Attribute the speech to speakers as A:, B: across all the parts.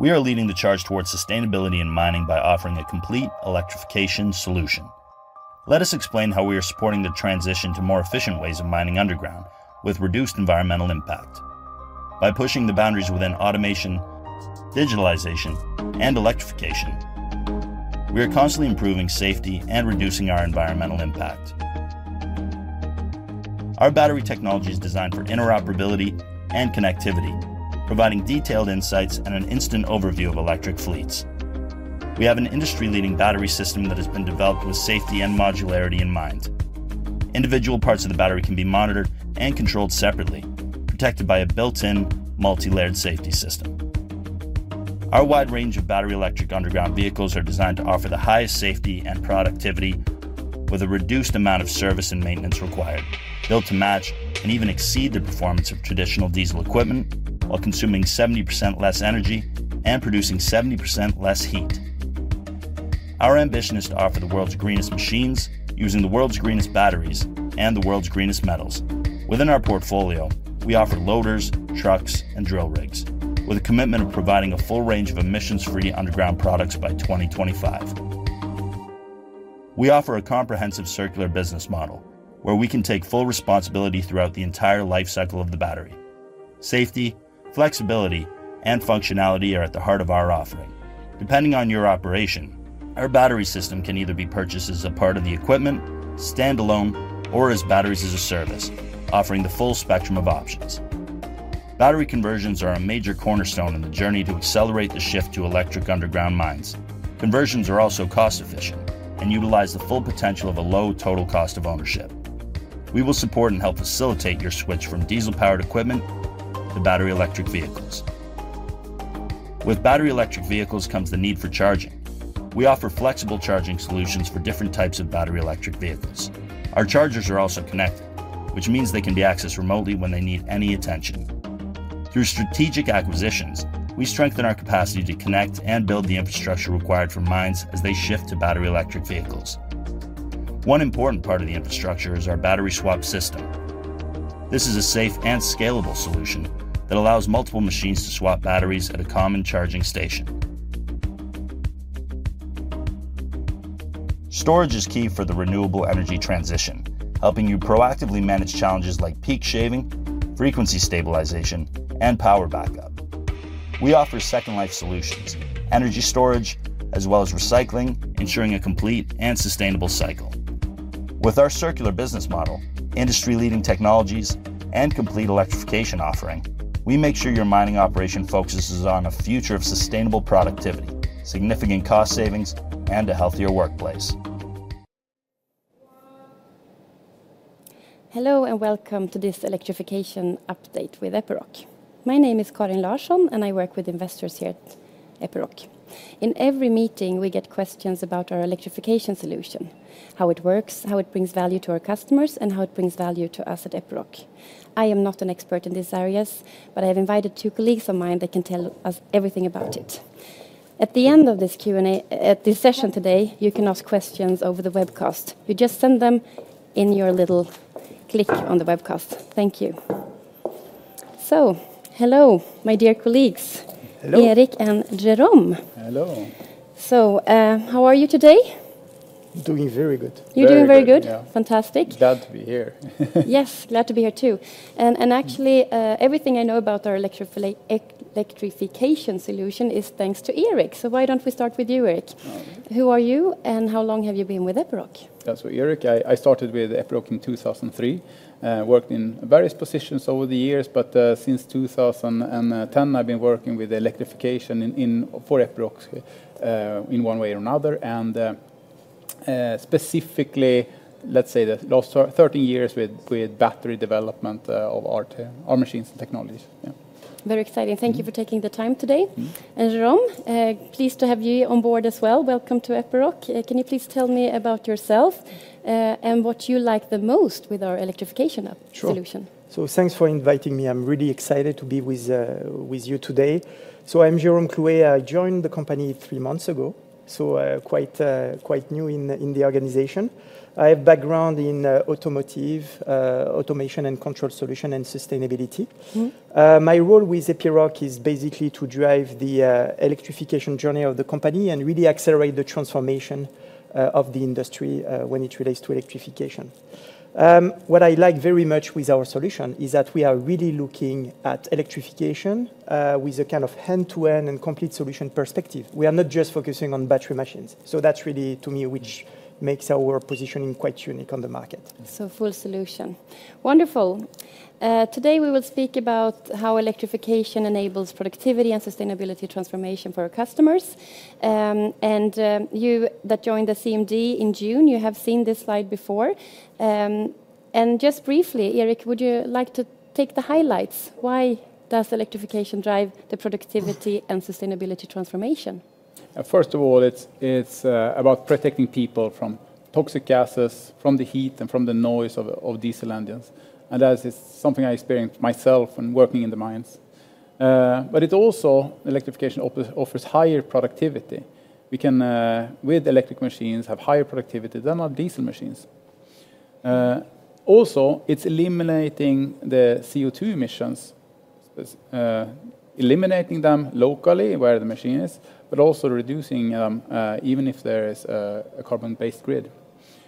A: We are leading the charge towards sustainability and mining by offering a complete electrification solution. Let us explain how we are supporting the transition to more efficient ways of mining underground, with reduced environmental impact. By pushing the boundaries within automation, digitalization, and electrification, we are constantly improving safety and reducing our environmental impact. Our battery technology is designed for interoperability and connectivity, providing detailed insights and an instant overview of electric fleets. We have an industry-leading battery system that has been developed with safety and modularity in mind. Individual parts of the battery can be monitored and controlled separately, protected by a built-in multi-layered safety system. Our wide range of battery electric underground vehicles are designed to offer the highest safety and productivity with a reduced amount of service and maintenance required, built to match and even exceed the performance of traditional diesel equipment, while consuming 70% less energy and producing 70% less heat. Our ambition is to offer the world's greenest machines, using the world's greenest batteries and the world's greenest metals. Within our portfolio, we offer loaders, trucks, and drill rigs, with a commitment of providing a full range of emissions-free underground products by 2025. We offer a comprehensive circular business model, where we can take full responsibility throughout the entire life cycle of the battery. Safety, flexibility, and functionality are at the heart of our offering. Depending on your operation, our battery system can either be purchased as a part of the equipment, standalone, or as Batteries as a Service, offering the full spectrum of options. Battery conversions are a major cornerstone in the journey to accelerate the shift to electric underground mines. Conversions are also cost-efficient and utilize the full potential of a low total cost of ownership. We will support and help facilitate your switch from diesel-powered equipment to battery electric vehicles. With battery electric vehicles comes the need for charging. We offer flexible charging solutions for different types of battery electric vehicles. Our chargers are also connected, which means they can be accessed remotely when they need any attention. Through strategic acquisitions, we strengthen our capacity to connect and build the infrastructure required for mines as they shift to battery electric vehicles. One important part of the infrastructure is our battery swap system. This is a safe and scalable solution that allows multiple machines to swap batteries at a common charging station. Storage is key for the renewable energy transition, helping you proactively manage challenges like peak shaving, frequency stabilization, and power backup. We offer second-life solutions, energy storage, as well as recycling, ensuring a complete and sustainable cycle. With our circular business model, industry-leading technologies, and complete electrification offering, we make sure your mining operation focuses on a future of sustainable productivity, significant cost savings, and a healthier workplace.
B: Hello, and welcome to this electrification update with Epiroc. My name is Karin Larsson, and I work with investors here at Epiroc. In every meeting, we get questions about our electrification solution, how it works, how it brings value to our customers, and how it brings value to us at Epiroc. I am not an expert in these areas, but I have invited two colleagues of mine that can tell us everything about it. At the end of this Q&A, at this session today, you can ask questions over the webcast. You just send them in your little click on the webcast. Thank you. So hello, my dear colleagues-
C: Hello....
B: Erik and Jérôme.
D: Hello.
B: How are you today?
C: Doing very good.
B: You're doing very good?
C: Very good, yeah.
B: Fantastic.
D: Glad to be here.
B: Yes, glad to be here, too. And actually, everything I know about our electrification solution is thanks to Erik. So why don't we start with you, Erik?
C: All right.
B: Who are you, and how long have you been with Epiroc?
C: Yeah, so Erik, I started with Epiroc in 2003. Worked in various positions over the years, but since 2010, I've been working with electrification in for Epiroc in one way or another. And specifically, let's say the last 30 years with battery development of our machines and technologies. Yeah.
B: Very exciting. Thank you for taking the time today.
C: Mm-hmm.
B: Jérôme, pleased to have you on board as well. Welcome to Epiroc. Can you please tell me about yourself, and what you like the most with our electrification solution?
D: Sure. So thanks for inviting me. I'm really excited to be with you today. So I'm Jérôme Cloué. I joined the company three months ago, so I'm quite quite new in the organization. I have background in automotive, automation and control solution, and sustainability.
B: Mm-hmm.
D: My role with Epiroc is basically to drive the electrification journey of the company and really accelerate the transformation of the industry when it relates to electrification. What I like very much with our solution is that we are really looking at electrification with a kind of end-to-end and complete solution perspective. We are not just focusing on battery machines. So that's really, to me, which makes our positioning quite unique on the market.
B: So full solution. Wonderful. Today we will speak about how electrification enables productivity and sustainability transformation for our customers. You that joined the CMD in June, you have seen this slide before. Just briefly, Erik, would you like to take the highlights? Why does electrification drive the productivity and sustainability transformation?
C: First of all, it's about protecting people from toxic gases, from the heat, and from the noise of diesel engines, and as it's something I experienced myself when working in the mines. But it also, electrification offers higher productivity. We can with electric machines have higher productivity than our diesel machines. Also, it's eliminating the CO2 emissions. There's eliminating them locally where the machine is, but also reducing even if there is a carbon-based grid.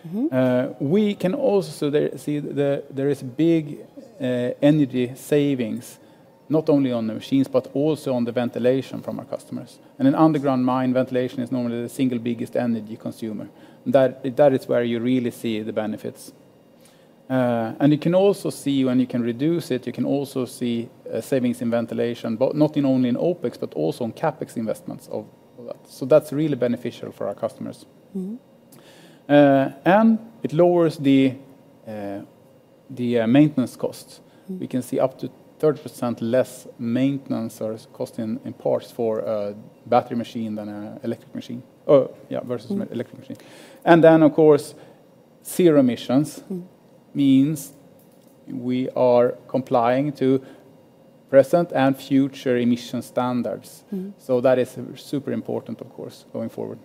B: Mm-hmm.
C: We can also see there is big energy savings, not only on the machines, but also on the ventilation from our customers. And in underground mine, ventilation is normally the single biggest energy consumer. That is where you really see the benefits. And you can also see, when you can reduce it, you can also see savings in ventilation, but not only in OpEx, but also on CapEx investments of all that. So that's really beneficial for our customers.
B: Mm-hmm.
C: It lowers the maintenance costs.
B: Mm.
C: We can see up to 30% less maintenance or cost in parts for a battery machine than a electric machine... versus electric machine. And then, of course, zero emissions-
B: Mm...
C: means we are complying to present and future emission standards.
B: Mm.
C: That is super important, of course, going forward.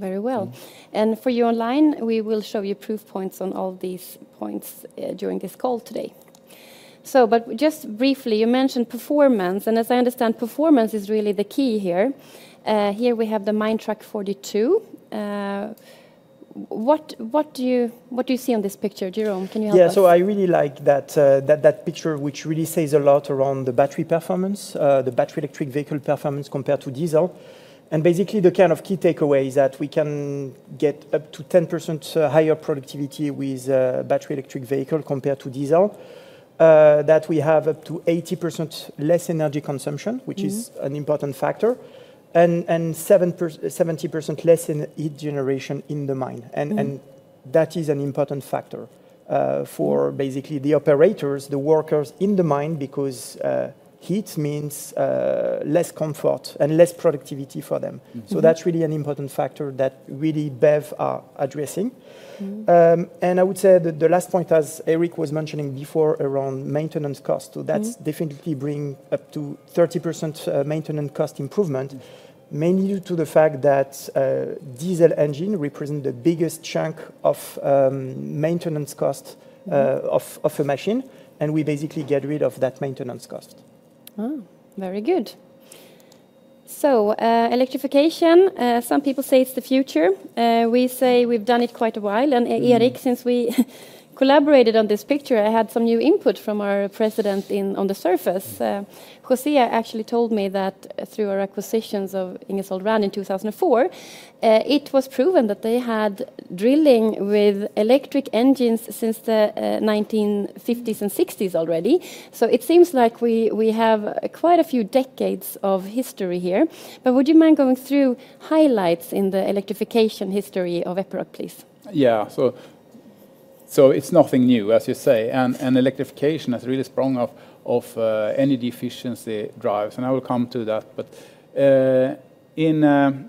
B: Very well.
C: Mm.
B: And for you online, we will show you proof points on all these points, during this call today. So but just briefly, you mentioned performance, and as I understand, performance is really the key here. Here we have the Minetruck 42. What, what do you, what do you see on this picture? Jérôme, can you help us?
D: Yeah. So I really like that, that picture, which really says a lot around the battery performance, the battery electric vehicle performance compared to diesel. And basically, the kind of key takeaway is that we can get up to 10% higher productivity with a battery electric vehicle compared to diesel. That we have up to 80% less energy consumption-
B: Mm...
D: which is an important factor, and 70% less in heat generation in the mine.
B: Mm.
D: That is an important factor for basically the operators, the workers in the mine, because heat means less comfort and less productivity for them.
B: Mm-hmm.
D: That's really an important factor that really BEV are addressing.
B: Mm-hmm.
D: I would say that the last point, as Erik was mentioning before, around maintenance cost-
B: Mm...
D: so that's definitely bring up to 30%, maintenance cost improvement-
B: Mm...
D: mainly due to the fact that diesel engine represent the biggest chunk of maintenance cost of a machine, and we basically get rid of that maintenance cost.
B: Oh, very good. So, electrification, some people say it's the future. We say we've done it quite a while. And, Erik, since we collaborated on this picture, I had some new input from our president in, on the surface.
C: Mm.
B: José actually told me that through our acquisitions of Ingersoll Rand in 2004, it was proven that they had drilling with electric engines since the 1950s and '60s already. So it seems like we, we have quite a few decades of history here. But would you mind going through highlights in the electrification history of Epiroc, please?
C: Yeah. So it's nothing new, as you say, and electrification has really sprung off energy efficiency drives, and I will come to that. But in...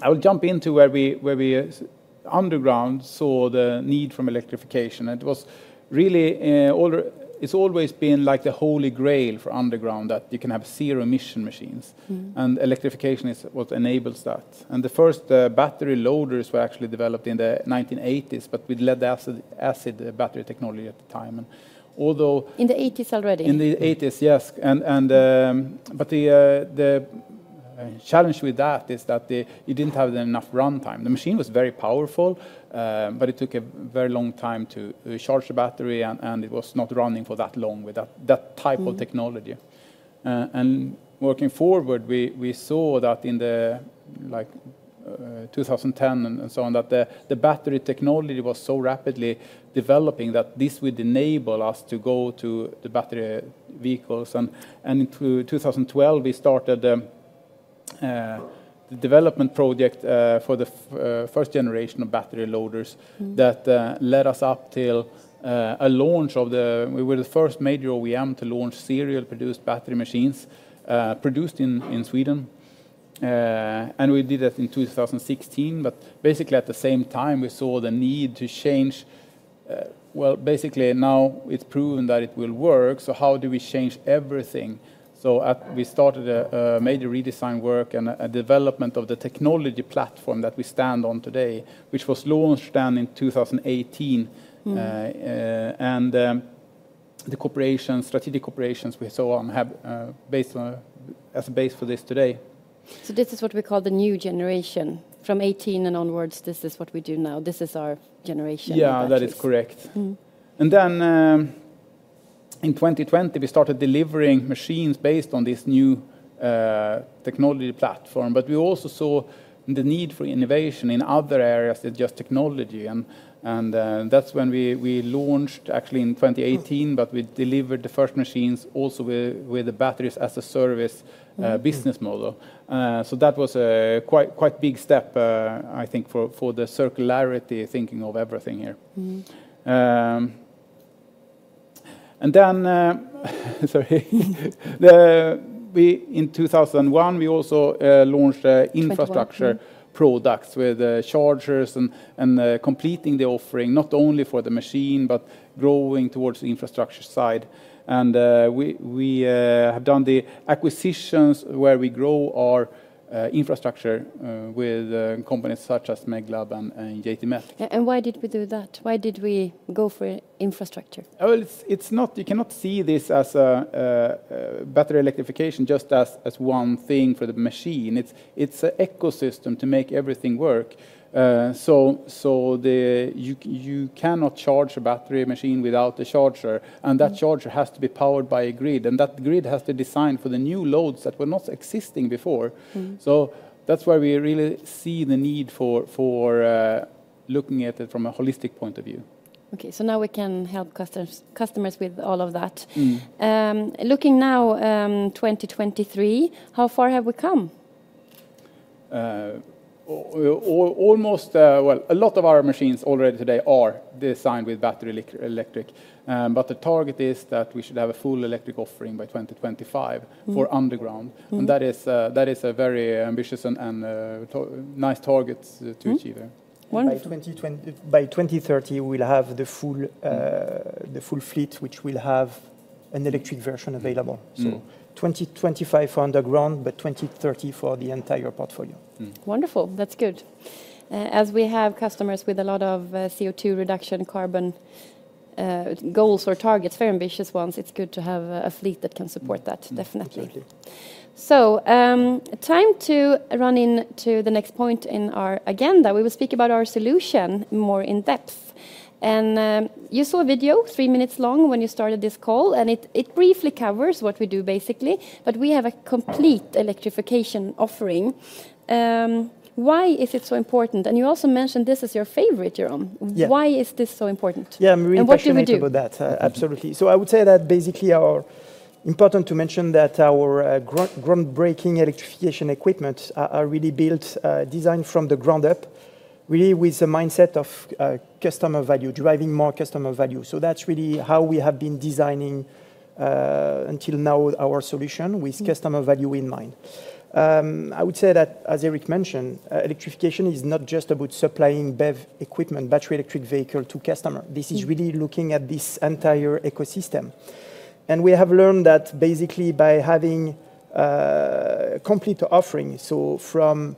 C: I will jump into where we underground saw the need from electrification. It was really all- it's always been like the holy grail for underground, that you can have zero-emission machines.
B: Mm.
C: Electrification is what enables that. The first battery loaders were actually developed in the 1980s, but with lead-acid acid battery technology at the time. Although-
B: In the 1980s already?
C: In the '80s, yes. But the challenge with that is that you didn't have enough runtime. The machine was very powerful, but it took a very long time to recharge the battery, and it was not running for that long with that type-
B: Mm...
C: of technology. And working forward, we saw that in the, like, 2010 and so on, that the battery technology was so rapidly developing that this would enable us to go to the battery vehicles. And in through 2012, we started the development project for the first generation of battery loaders-
B: Mm...
C: that led us up till a launch of the... We were the first major OEM to launch serial-produced battery machines, produced in Sweden. And we did that in 2016. But basically, at the same time, we saw the need to change... Well, basically, now it's proven that it will work, so how do we change everything? So we started a major redesign work and a development of the technology platform that we stand on today, which was launched then in 2018.
B: Mm.
C: The cooperation, strategic operations we saw have, based on, as a base for this today.
B: So this is what we call the new generation. From 2018 and onwards, this is what we do now. This is our generation of batteries.
C: Yeah, that is correct.
B: Mm-hmm.
C: And then, in 2020, we started delivering machines based on this new technology platform. But we also saw the need for innovation in other areas than just technology, and that's when we launched, actually, in 2018-
B: Mm...
C: but we delivered the first machines also with the Batteries as a Service business model.
B: Mm.
C: So that was a quite, quite big step, I think, for the circularity thinking of everything here.
B: Mm-hmm.
C: Then, sorry. We, in 2001, we also launched,
B: 21, mm-hmm
C: infrastructure products with chargers and completing the offering, not only for the machine, but growing towards the infrastructure side. And we have done the acquisitions where we grow our infrastructure with companies such as Meglab and JTMEC.
B: Why did we do that? Why did we go for infrastructure?
C: Well, it's not you cannot see this as a battery electrification just as one thing for the machine. It's an ecosystem to make everything work. So, you cannot charge a battery machine without a charger-
B: Mm...
C: and that charger has to be powered by a grid, and that grid has to design for the new loads that were not existing before.
B: Mm-hmm.
C: That's why we really see the need for looking at it from a holistic point of view.
B: Okay, so now we can help customers, customers with all of that.
C: Mm.
B: Looking now, 2023, how far have we come?
C: Almost, well, a lot of our machines already today are designed with battery electric. But the target is that we should have a full electric offering by 2025.
B: Mm...
C: for underground.
B: Mm.
C: That is a very ambitious and nice target to achieve there.
B: Mm. Wonderful.
D: By 2020-by 2030, we'll have the full, the full fleet, which will have an electric version available.
C: Mm.
D: 2025 for underground, but 2030 for the entire portfolio.
C: Mm.
B: Wonderful. That's good. As we have customers with a lot of CO2 reduction carbon goals or targets, very ambitious ones, it's good to have a fleet that can support that, definitely.
D: Exactly.
B: So, time to run into the next point in our agenda. We will speak about our solution more in depth. And, you saw a video, three minutes long, when you started this call, and it briefly covers what we do, basically, but we have a complete electrification offering. Why is it so important? And you also mentioned this is your favorite, Jérôme.
D: Yeah.
B: Why is this so important?
D: Yeah, I'm really passionate-
B: What do we do?...
D: about that. Absolutely. So I would say that basically our... important to mention that our groundbreaking electrification equipment are really built, designed from the ground up, really with the mindset of customer value, driving more customer value. So that's really how we have been designing our solution-
B: Mm...
D: with customer value in mind. I would say that, as Erik mentioned, electrification is not just about supplying BEV equipment, battery electric vehicle, to customer.
B: Mm.
D: This is really looking at this entire ecosystem. We have learned that basically by having complete offering, so from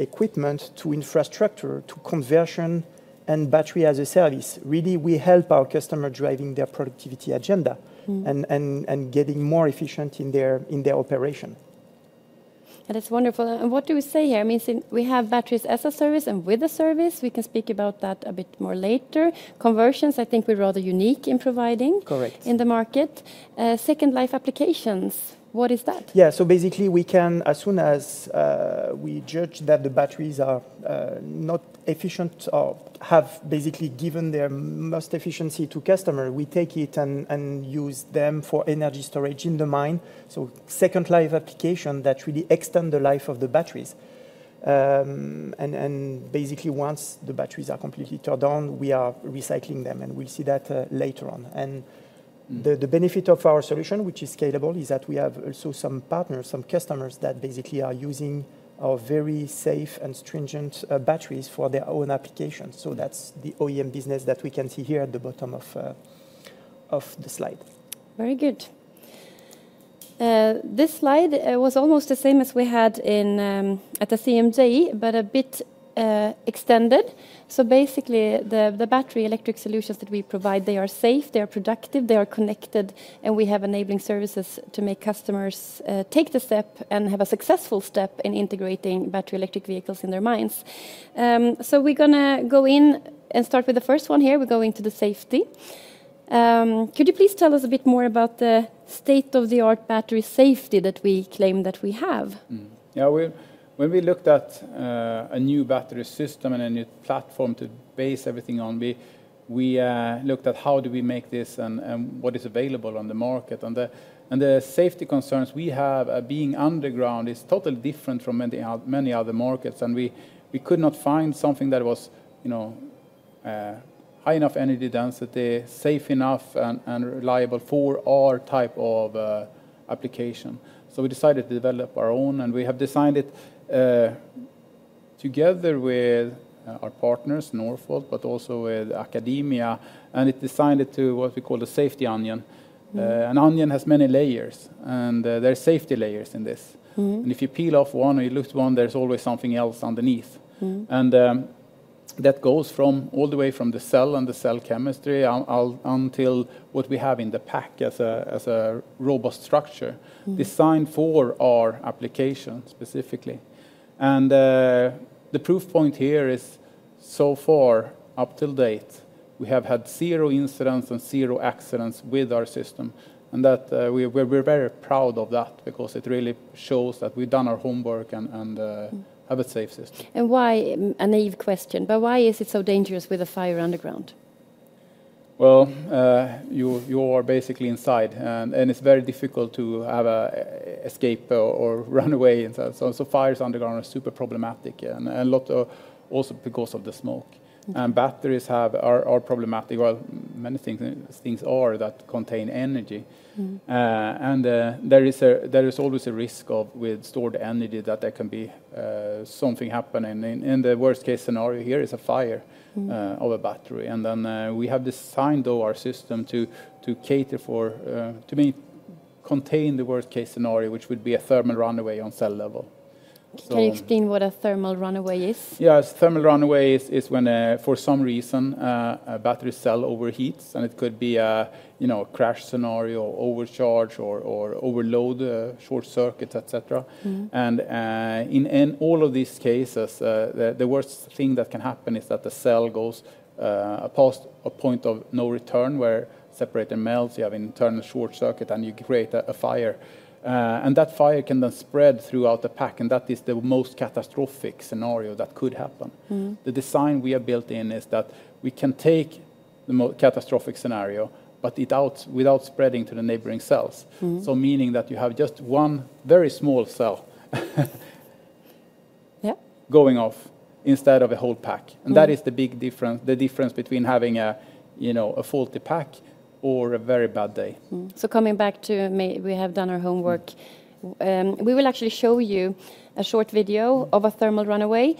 D: equipment to infrastructure to conversion and battery as a service, really we help our customer driving their productivity agenda-
B: Mm...
D: and getting more efficient in their operation.
B: That is wonderful. And what do we say here? I mean, since we have Batteries as a Service and with a Service, we can speak about that a bit more later. Conversions, I think we're rather unique in providing-
D: Correct...
B: in the market. Second life applications, what is that?
D: Yeah, so basically, we can, as soon as we judge that the batteries are not efficient or have basically given their most efficiency to customer, we take it and use them for energy storage in the mine. So second life application that really extend the life of the batteries. And basically, once the batteries are completely charged down, we are recycling them, and we'll see that later on. And-
C: Mm...
D: the benefit of our solution, which is scalable, is that we have also some partners, some customers, that basically are using our very safe and stringent batteries for their own applications. So that's the OEM business that we can see here at the bottom of the slide.
B: Very good. This slide was almost the same as we had in at the CMD, but a bit extended. So basically, the battery electric solutions that we provide, they are safe, they are productive, they are connected, and we have enabling services to make customers take the step and have a successful step in integrating battery electric vehicles in their mines. So we're gonna go in and start with the first one here. We're going to the safety. Could you please tell us a bit more about the state-of-the-art battery safety that we claim that we have?
C: Yeah, we, when we looked at a new battery system and a new platform to base everything on, we looked at how do we make this and what is available on the market. And the safety concerns we have, being underground, is totally different from many other markets, and we could not find something that was, you know, high enough energy density, safe enough, and reliable for our type of application. So we decided to develop our own, and we have designed it together with our partners, Northvolt, but also with academia, and it designed it to what we call the safety onion.
B: Mm.
C: An onion has many layers, and there are safety layers in this.
B: Mm-hmm.
C: If you peel off one or you lose one, there's always something else underneath.
B: Mm.
C: That goes all the way from the cell and the cell chemistry until what we have in the pack as a robust structure-
B: Mm...
C: designed for our application specifically. And, the proof point here is, so far, up till date, we have had zero incidents and zero accidents with our system, and that, we're very proud of that because it really shows that we've done our homework and...
B: Mm...
C: have a safe system.
B: And why... A naive question, but why is it so dangerous with a fire underground? ...
C: Well, you are basically inside, and it's very difficult to have an escape or run away. So fires underground are super problematic, and a lot also because of the smoke.
B: Mm-hmm.
C: Batteries are problematic. Well, many things that contain energy.
B: Mm-hmm.
C: There is always a risk with stored energy that there can be something happening. And the worst-case scenario here is a fire.
B: Mm...
C: of a battery. And then, we have designed, though, our system to cater for, to contain the worst-case scenario, which would be a thermal runaway on cell level. So-
B: Can you explain what a thermal runaway is?
C: Yeah, a thermal runaway is when, for some reason, a battery cell overheats, and it could be a, you know, a crash scenario, overcharge, or overload, a short circuit, et cetera.
B: Mm-hmm.
C: In all of these cases, the worst thing that can happen is that the cell goes past a point of no return, where separator melts, you have internal short circuit, and you create a fire. That fire can then spread throughout the pack, and that is the most catastrophic scenario that could happen.
B: Mm-hmm.
C: The design we have built in is that we can take the most catastrophic scenario, but it out without spreading to the neighboring cells.
B: Mm-hmm.
C: So meaning that you have just one very small cell,
B: Yeah...
C: going off instead of a whole pack.
B: Mm.
C: That is the big difference, the difference between having a, you know, a faulty pack or a very bad day.
B: So coming back to me, we have done our homework. We will actually show you a short video of a thermal runaway.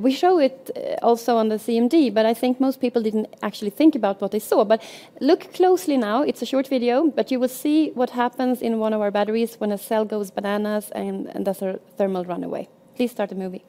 B: We show it also on the CMD, but I think most people didn't actually think about what they saw. But look closely now. It's a short video, but you will see what happens in one of our batteries when a cell goes bananas and, and does a thermal runaway. Please start the movie.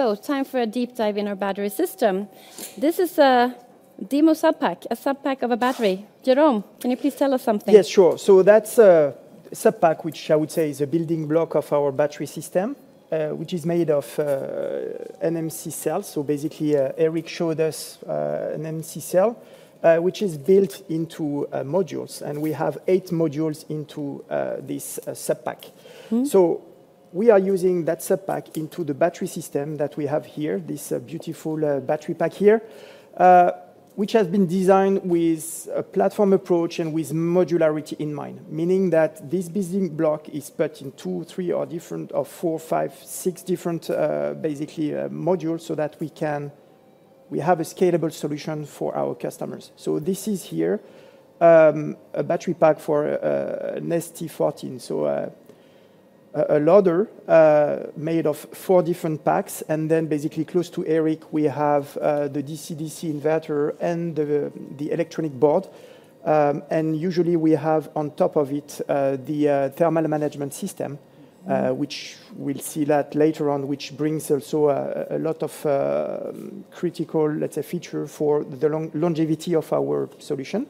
B: So time for a deep dive in our battery system. This is a demo sub-pack, a sub-pack of a battery. Jérôme, can you please tell us something?
D: Yes, sure. So that's a sub-pack, which I would say is a building block of our battery system, which is made of, NMC cells. So basically, Erik showed us, an NMC cell, which is built into, modules, and we have 8 modules into, this, sub-pack.
B: Mm-hmm.
D: So we are using that sub-pack into the battery system that we have here, this beautiful battery pack here, which has been designed with a platform approach and with modularity in mind, meaning that this building block is put in two, three, or four, five, six different modules, so that we can... We have a scalable solution for our customers. So this is here a battery pack for an ST14. So a loader made of four different packs, and then basically close to Erik, we have the DC-DC inverter and the electronic board. And usually we have on top of it the thermal management system-
B: Mm...
D: which we'll see that later on, which brings also a lot of critical, let's say, feature for the longevity of our solution.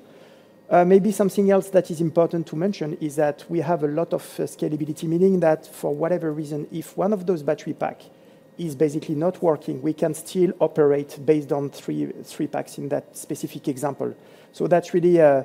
D: Maybe something else that is important to mention is that we have a lot of scalability, meaning that for whatever reason, if one of those battery pack is basically not working, we can still operate based on 3, 3 packs in that specific example. So that's really a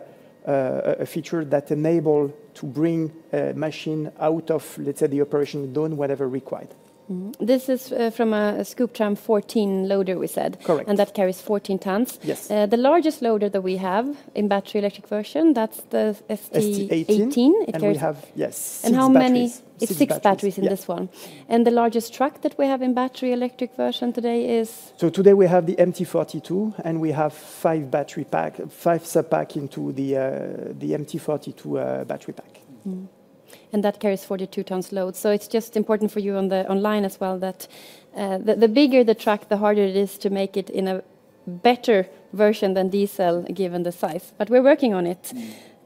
D: feature that enable to bring a machine out of, let's say, the operation, doing whatever required.
B: Mm-hmm. This is from a Scooptram 14 loader, we said?
D: Correct.
B: That carries 14 tons.
D: Yes.
B: The largest loader that we have in battery electric version, that's the ST-
D: ST 18...
B: 18. It carries-
D: We have, yes, 6 batteries.
B: How many?
D: Six batteries.
B: It's 6 batteries in this one.
D: Yeah.
B: The largest truck that we have in battery electric version today is?
D: Today we have the MT42, and we have five battery pack, five sub-pack into the MT42 battery pack.
B: Mm-hmm. And that carries 42 tons load. So it's just important for you on the online as well, that the bigger the truck, the harder it is to make it in a better version than diesel, given the size, but we're working on it.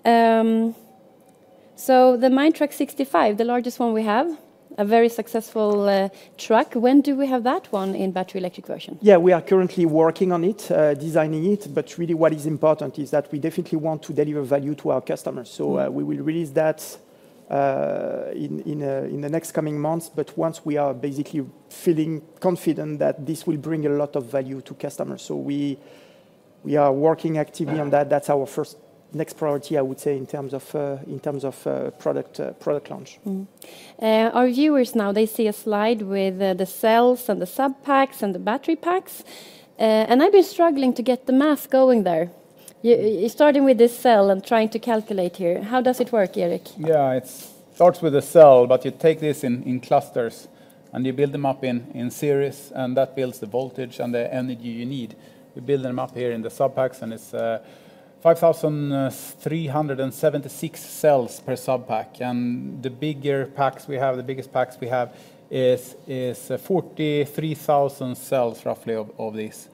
D: Mm.
B: So the Minetruck MT65, the largest one we have, a very successful truck. When do we have that one in battery-electric version?
D: Yeah, we are currently working on it, designing it. But really what is important is that we definitely want to deliver value to our customers.
B: Mm.
D: So, we will release that in the next coming months, but once we are basically feeling confident that this will bring a lot of value to customers. So we are working actively on that. That's our first next priority, I would say, in terms of product launch.
B: Our viewers now, they see a slide with the cells and the sub-packs and the battery packs. I've been struggling to get the math going there. Starting with this cell and trying to calculate here, how does it work, Erik?
C: Yeah, it starts with a cell, but you take this in clusters, and you build them up in series, and that builds the voltage and the energy you need. You build them up here in the sub-packs, and it's 5,376 cells per sub-pack. And the bigger packs we have, the biggest packs we have, is 43,000 cells, roughly, of this.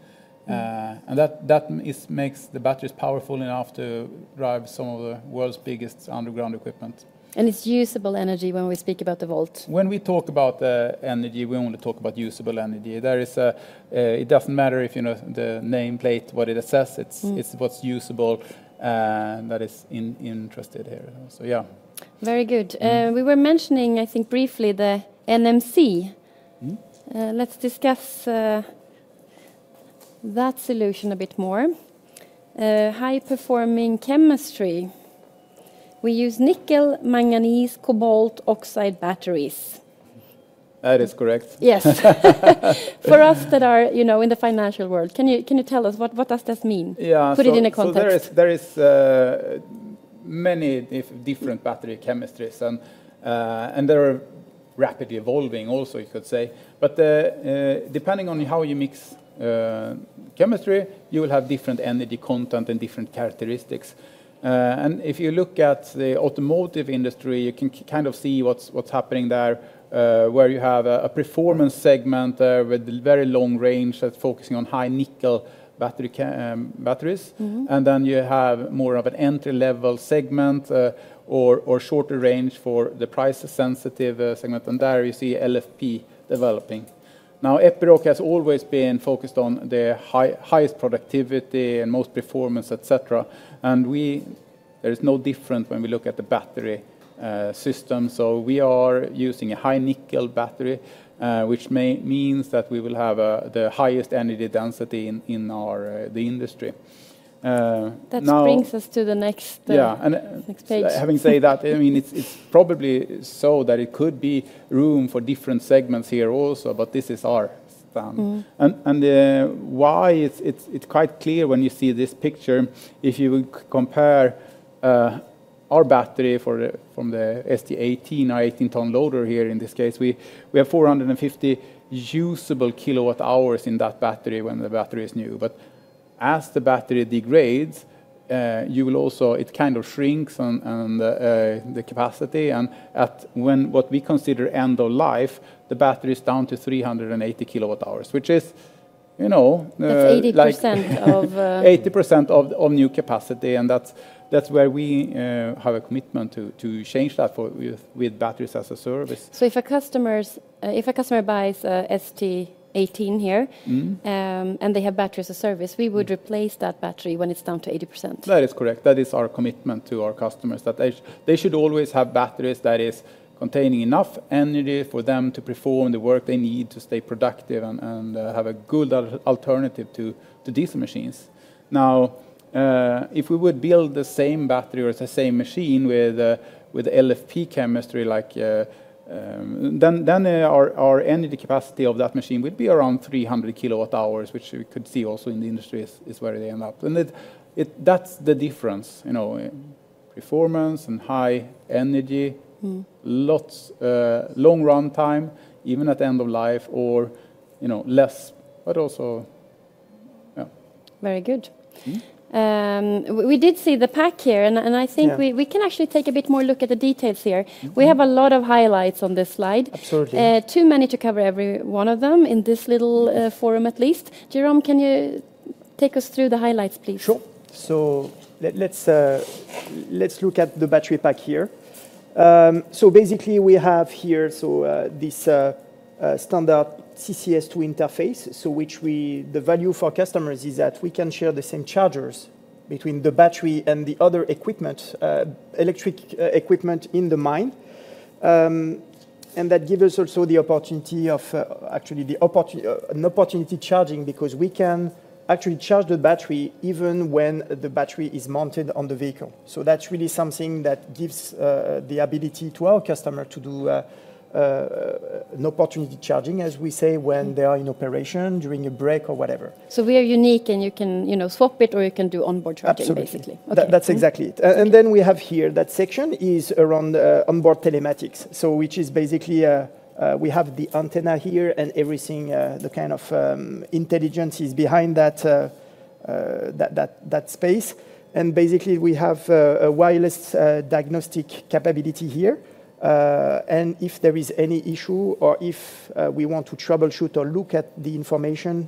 B: Mm.
C: And that makes the batteries powerful enough to drive some of the world's biggest underground equipment.
B: It's usable energy when we speak about the volt?
C: When we talk about the energy, we only talk about usable energy. It doesn't matter if, you know, the nameplate, what it says-
B: Mm...
C: it's what's usable, that is interesting here. So yeah.
B: Very good.
C: Mm.
B: We were mentioning, I think, briefly, the NMC. Let's discuss that solution a bit more. High-performing chemistry. We use nickel manganese cobalt oxide batteries.
C: That is correct.
B: Yes. For us that are, you know, in the financial world, can you, can you tell us what, what does this mean?
C: Yeah.
B: Put it in a context.
C: So there is many different battery chemistries, and they are rapidly evolving also, you could say. But depending on how you mix chemistry, you will have different energy content and different characteristics. And if you look at the automotive industry, you can kind of see what's happening there, where you have a performance segment with very long range that's focusing on high nickel battery batteries.
B: Mm-hmm.
C: And then you have more of an entry-level segment, or shorter range for the price-sensitive segment, and there you see LFP developing. Now, Epiroc has always been focused on the highest productivity and most performance, et cetera, and there is no different when we look at the battery system. So we are using a high nickel battery, which means that we will have the highest energy density in the industry. Now-
B: That brings us to the next-
C: Yeah, and-
B: - next page...
C: having said that, I mean, it's, it's probably so that it could be room for different segments here also, but this is our stand.
B: Mm-hmm.
C: Why it's quite clear when you see this picture, if you compare our battery from the ST18, our 18-ton loader here in this case, we have 450 usable kWh in that battery when the battery is new. But as the battery degrades, you will also... It kind of shrinks on the capacity, and at what we consider end of life, the battery is down to 380 kWh, which is, you know, like-
B: That's 80% of -
C: 80% of new capacity, and that's where we have a commitment to change that with batteries as a Service.
B: If a customer buys a ST18 here-
C: Mm-hmm...
B: and they have battery as a service, we would replace that battery when it's down to 80%?
C: That is correct. That is our commitment to our customers, that they should always have batteries that is containing enough energy for them to perform the work they need to stay productive and have a good alternative to diesel machines. Now, if we would build the same battery or the same machine with LFP chemistry, like, then our energy capacity of that machine would be around 300 kWh, which we could see also in the industry is where they end up. And it, that's the difference, you know, in performance and high energy-
B: Mm...
C: lots, long run time, even at the end of life or, you know, less, but also... Yeah.
B: Very good.
C: Mm-hmm.
B: We did see the pack here, and I think-
C: Yeah...
B: we can actually take a bit more look at the details here.
C: Mm-hmm.
B: We have a lot of highlights on this slide.
C: Absolutely.
B: Too many to cover every one of them in this little forum at least. Jérôme, can you take us through the highlights, please?
D: Sure. So let's look at the battery pack here. So basically we have here this standard CCS2 interface, so which we—the value for customers is that we can share the same chargers between the battery and the other electric equipment in the mine. And that give us also the opportunity of actually an opportunity charging, because we can actually charge the battery even when the battery is mounted on the vehicle. So that's really something that gives the ability to our customer to do an opportunity charging, as we say, when they are in operation, during a break, or whatever.
B: We are unique, and you can, you know, swap it, or you can do on-board charging.
D: Absolutely...
B: basically.
D: That's exactly it.
B: Okay.
D: And then we have here, that section is around on-board telematics, so which is basically we have the antenna here and everything, the kind of intelligence is behind that space. And basically we have a wireless diagnostic capability here. And if there is any issue or if we want to troubleshoot or look at the information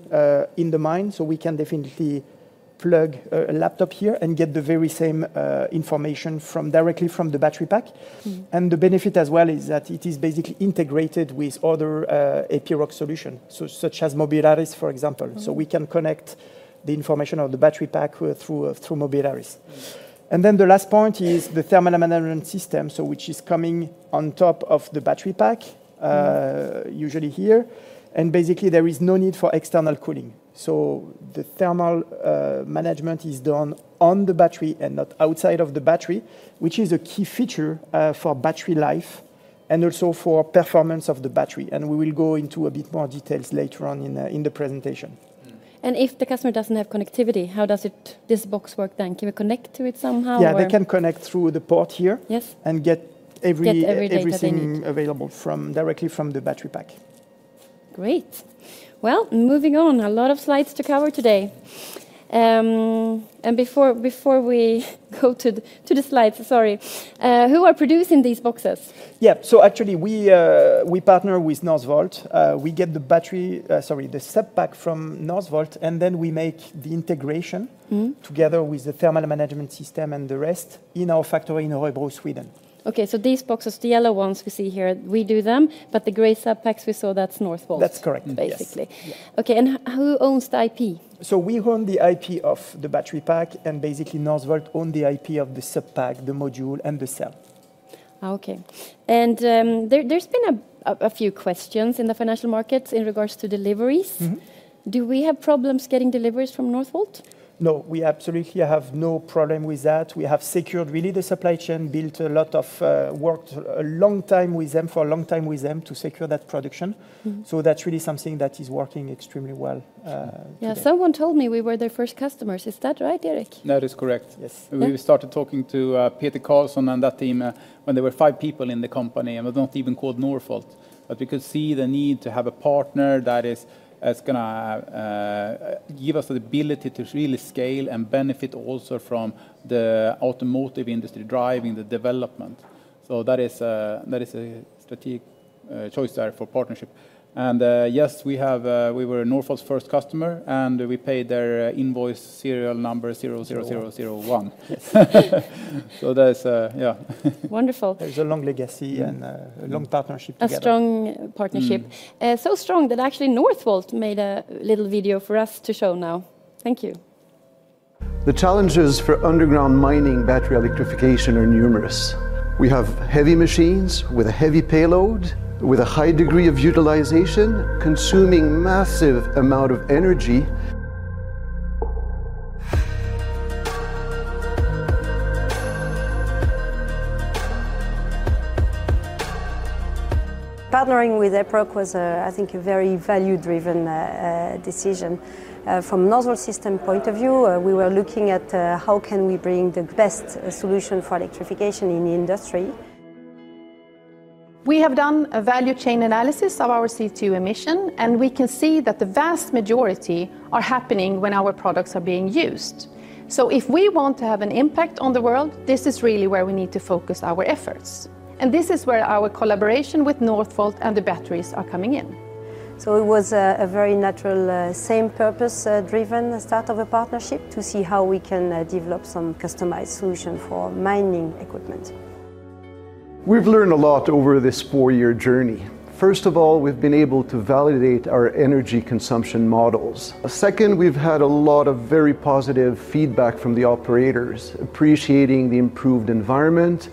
D: in the mine, so we can definitely plug a laptop here and get the very same information directly from the battery pack.
B: Mm.
D: The benefit as well is that it is basically integrated with other Epiroc solutions, such as Mobilaris, for example.
B: Mm-hmm.
D: So we can connect the information of the battery pack through through Mobilaris. And then the last point is the thermal management system, so which is coming on top of the battery pack-
B: Mm...
D: usually here, and basically there is no need for external cooling. So the thermal management is done on the battery and not outside of the battery, which is a key feature for battery life and also for performance of the battery, and we will go into a bit more details later on in the presentation.
B: If the customer doesn't have connectivity, how does it, this box work then? Can you connect to it somehow, or?
D: Yeah, they can connect through the port here-
B: Yes...
D: and get every-
B: Get everything that they need....
D: everything available from, directly from the battery pack.
B: Great. Well, moving on. A lot of slides to cover today. Before we go to the slides, sorry, who are producing these boxes?
D: Yeah. So actually we partner with Northvolt. We get the battery, sorry, the sub-pack from Northvolt, and then we make the integration-
B: Mm...
D: together with the thermal management system and the rest in our factory in Örebro, Sweden.
B: Okay, so these boxes, the yellow ones we see here, we do them, but the gray sub-packs we saw, that's Northvolt-
D: That's correct, yes....
B: basically.
D: Yeah.
B: Okay, and who owns the IP?
D: So we own the IP of the battery pack, and basically Northvolt own the IP of the sub-pack, the module, and the cell....
B: Ah, okay. And, there, there's been a few questions in the financial markets in regards to deliveries.
D: Mm-hmm.
B: Do we have problems getting deliveries from Northvolt?
D: No, we absolutely have no problem with that. We have secured, really, the supply chain, worked a long time with them, for a long time with them to secure that production.
B: Mm-hmm.
D: That's really something that is working extremely well, today.
B: Yeah, someone told me we were their first customers. Is that right, Erik?
C: That is correct.
D: Yes.
C: We started talking to Peter Carlsson and that team when there were five people in the company, and was not even called Northvolt. But we could see the need to have a partner that is, is gonna give us the ability to really scale and benefit also from the automotive industry driving the development. So that is a, that is a strategic choice there for partnership. And yes, we have, we were Northvolt's first customer, and we paid their invoice serial number 00001.
D: Yes.
C: So that is, yeah.
B: Wonderful.
D: There's a long legacy and a long partnership together.
B: A strong partnership.
C: Mm.
B: So strong that actually Northvolt made a little video for us to show now. Thank you.
A: The challenges for underground mining battery electrification are numerous. We have heavy machines with a heavy payload, with a high degree of utilization, consuming massive amount of energy. Partnering with Epiroc was a, I think, a very value-driven, decision. From Northvolt system point of view, we were looking at, how can we bring the best solution for electrification in the industry? We have done a value chain analysis of our CO2 emission, and we can see that the vast majority are happening when our products are being used. So if we want to have an impact on the world, this is really where we need to focus our efforts, and this is where our collaboration with Northvolt and the batteries are coming in. It was a very natural same purpose driven start of a partnership to see how we can develop some customized solution for mining equipment. We've learned a lot over this 4-year journey. First of all, we've been able to validate our energy consumption models. Second, we've had a lot of very positive feedback from the operators, appreciating the improved environment,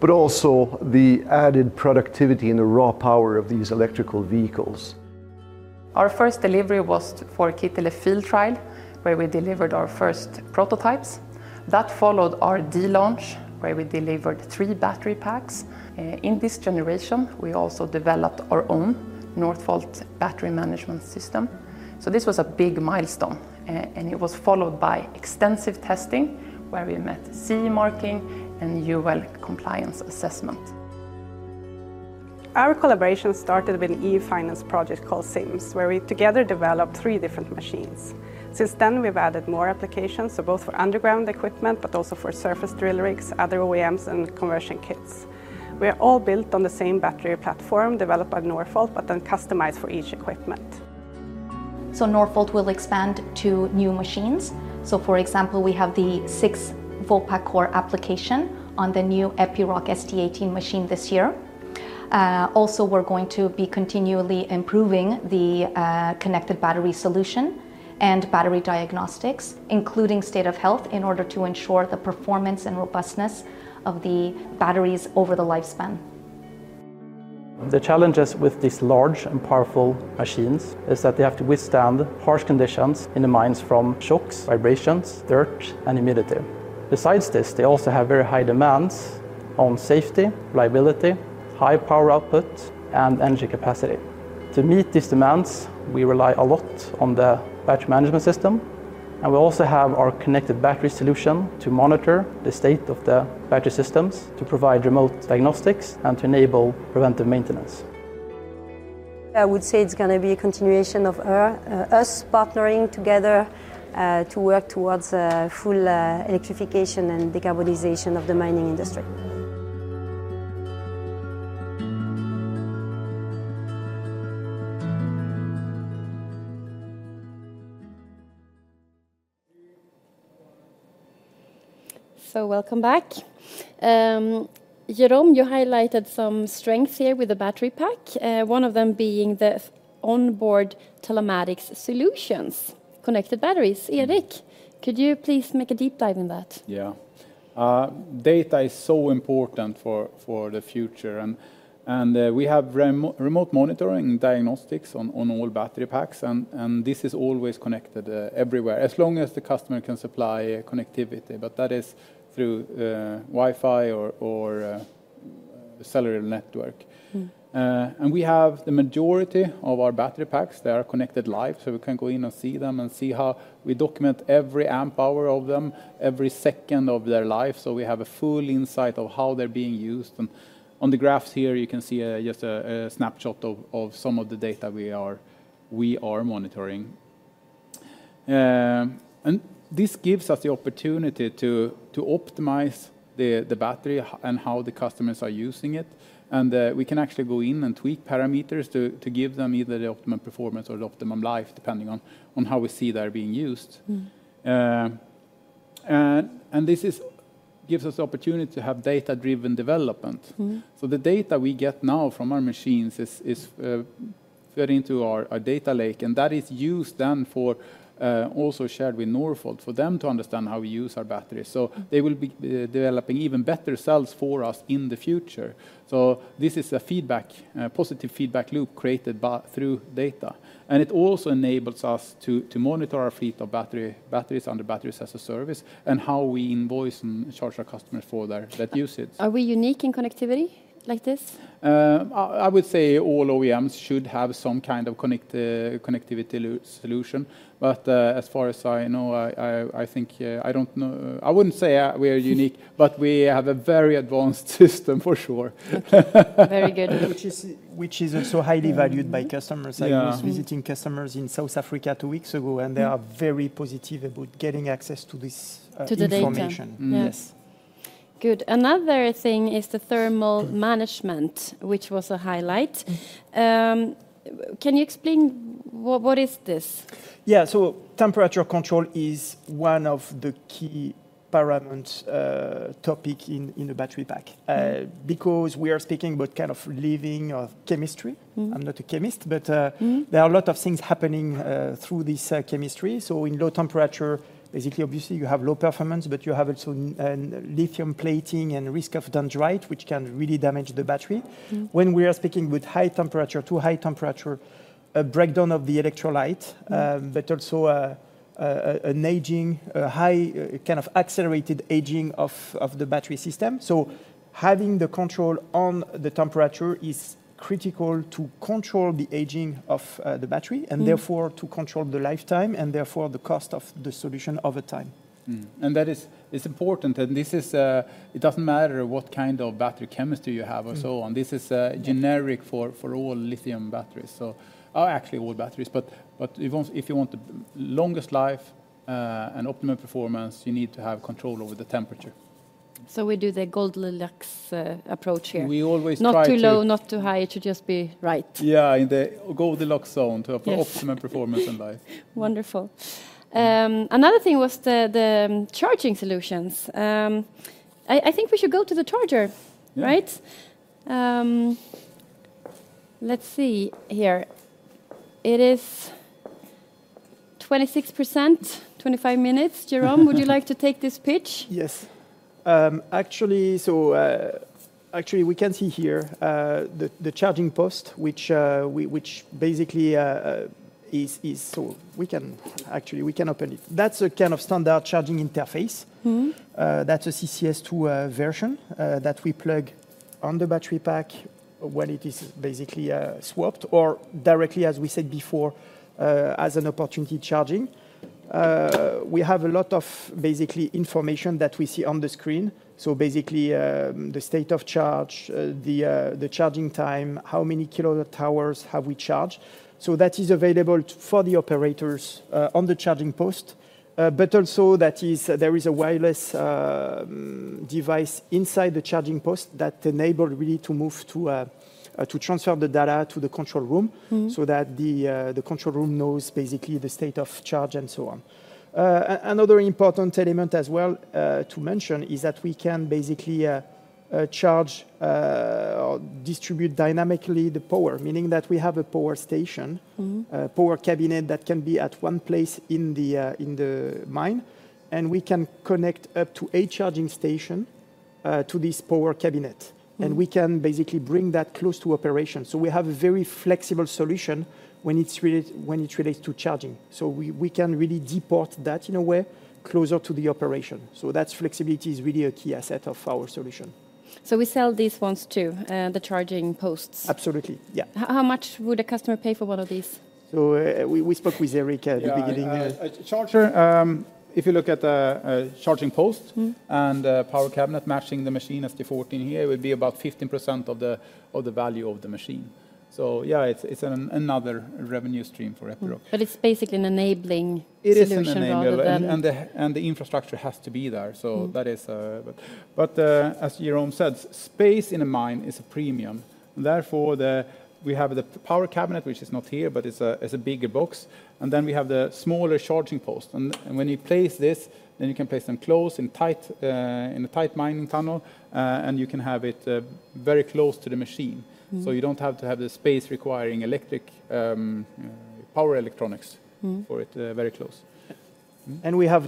A: but also the added productivity and the raw power of these electric vehicles. Our first delivery was for Kittilä field trial, where we delivered our first prototypes. That followed our D launch, where we delivered 3 battery packs. In this generation, we also developed our own Northvolt battery management system. This was a big milestone, and it was followed by extensive testing, where we met CE marking and UL compliance assessment. Our collaboration started with an EU-financed project called SIMS, where we together developed three different machines. Since then, we've added more applications, so both for underground equipment but also for surface drill rigs, other OEMs, and conversion kits. We are all built on the same battery platform developed by Northvolt, but then customized for each equipment. Northvolt will expand to new machines. For example, we have the six Voltpack Core application on the new Epiroc ST18 machine this year. Also, we're going to be continually improving the connected battery solution and battery diagnostics, including state of health, in order to ensure the performance and robustness of the batteries over the lifespan. The challenges with these large and powerful machines is that they have to withstand harsh conditions in the mines from shocks, vibrations, dirt, and humidity. Besides this, they also have very high demands on safety, reliability, high power output, and energy capacity. To meet these demands, we rely a lot on the battery management system, and we also have our connected battery solution to monitor the state of the battery systems, to provide remote diagnostics, and to enable preventive maintenance. I would say it's gonna be a continuation of our us partnering together to work towards full electrification and decarbonization of the mining industry.
B: Welcome back. Jérôme, you highlighted some strengths here with the battery pack, one of them being the onboard telematics solutions, connected batteries. Erik, could you please make a deep dive in that?
C: Yeah. Data is so important for the future, and we have remote monitoring diagnostics on all battery packs, and this is always connected everywhere, as long as the customer can supply connectivity, but that is through Wi-Fi or cellular network.
B: Mm.
C: And we have the majority of our battery packs, they are connected live, so we can go in and see them and see how we document every amp hour of them, every second of their life, so we have a full insight of how they're being used. And on the graphs here, you can see just a snapshot of some of the data we are monitoring. And this gives us the opportunity to optimize the battery and how the customers are using it, and we can actually go in and tweak parameters to give them either the optimum performance or the optimum life, depending on how we see they're being used.
B: Mm.
C: This gives us the opportunity to have data-driven development.
B: Mm.
C: So the data we get now from our machines is fed into our data lake, and that is used then for also shared with Northvolt for them to understand how we use our batteries. So they will be developing even better cells for us in the future. So this is a feedback, a positive feedback loop created by through data. And it also enables us to monitor our fleet of battery batteries under Batteries as a Service, and how we invoice and charge our customers for their that usage.
B: Are we unique in connectivity like this?
C: I would say all OEMs should have some kind of connectivity solution. But, as far as I know, I think, I don't know. I wouldn't say we are unique, but we have a very advanced system, for sure.
B: Okay. Very good.
D: Which is also highly valued by customers.
C: Yeah.
B: Mm-hmm.
D: I was visiting customers in South Africa two weeks ago, and they are very positive about getting access to this.
B: To the data....
D: information.
C: Mm.
D: Yes.
B: Good. Another thing is the thermal management, which was a highlight. Can you explain what is this?
D: Yeah, so temperature control is one of the key paramount topic in the battery pack.
B: Mm.
D: Because we are speaking about kind of living of chemistry.
B: Mm.
D: I'm not a chemist, but,
B: Mm...
D: there are a lot of things happening, through this chemistry. So in low temperature, basically, obviously, you have low performance, but you have also a lithium plating and risk of dendrite, which can really damage the battery.
B: Mm.
D: When we are speaking with high temperature, too high temperature, a breakdown of the electrolyte, but also an aging, a high, kind of accelerated aging of the battery system. So having the control on the temperature is critical to control the aging of the battery-
B: Mm...
D: and therefore to control the lifetime, and therefore the cost of the solution over time.
C: That is, it's important, and this is, it doesn't matter what kind of battery chemistry you have or so on.
B: Mm.
C: This is generik for all lithium batteries, so... or actually all batteries. But if you want the longest life and optimum performance, you need to have control over the temperature.
B: We do the Goldilocks approach here.
C: We always try to-
B: Not too low, not too high. It should just be right.
C: Yeah, in the Goldilocks zone-
B: Yes...
C: to have optimum performance and life.
B: Wonderful. Another thing was the, the charging solutions. I, I think we should go to the charger, right?
C: Yeah.
B: Let's see here. It is 26%, 25 minutes. Jérôme, would you like to take this pitch?
D: Yes. Actually, so actually, we can see here the charging post, which basically is... So we can actually open it. That's a kind of standard charging interface.
B: Mm-hmm.
D: That's a CCS2 version that we plug on the battery pack when it is basically swapped, or directly, as we said before, as an opportunity charging. We have a lot of basically information that we see on the screen, so basically the state of charge, the charging time, how many kilowatt hours have we charged. So that is available for the operators on the charging post. But also that is, there is a wireless device inside the charging post that enable really to move to a to transfer the data to the control room-
B: Mm...
D: so that the control room knows basically the state of charge and so on. Another important element as well to mention is that we can basically charge or distribute dynamically the power, meaning that we have a power station-
B: Mm...
D: a power cabinet that can be at one place in the mine, and we can connect up to eight charging stations to this power cabinet.
B: Mm.
D: We can basically bring that close to operation. We have a very flexible solution when it relates to charging. We can really deploy that, in a way, closer to the operation. That flexibility is really a key asset of our solution.
B: So we sell these ones, too, the charging posts?
D: Absolutely. Yeah.
B: How much would a customer pay for one of these?
D: So, we spoke with Erik at the beginning.
C: Yeah, a charger, if you look at the, a charging post-
B: Mm...
C: and a power cabinet matching the machine, ST14 here, it would be about 15% of the value of the machine. So yeah, it's another revenue stream for Epiroc.
B: It's basically an enabling solution-
C: It is an enabler....
B: rather than—
C: And the infrastructure has to be there, so-
B: Mm...
C: that is, but, as Jérôme said, space in a mine is a premium. Therefore, we have the power cabinet, which is not here, but it's a bigger box, and then we have the smaller charging post. And when you place this, then you can place them close, in tight, in a tight mining tunnel, and you can have it very close to the machine.
B: Mm.
C: So you don't have to have the space requiring electric, power electronics-
B: Mm...
C: for it, very close.
D: We have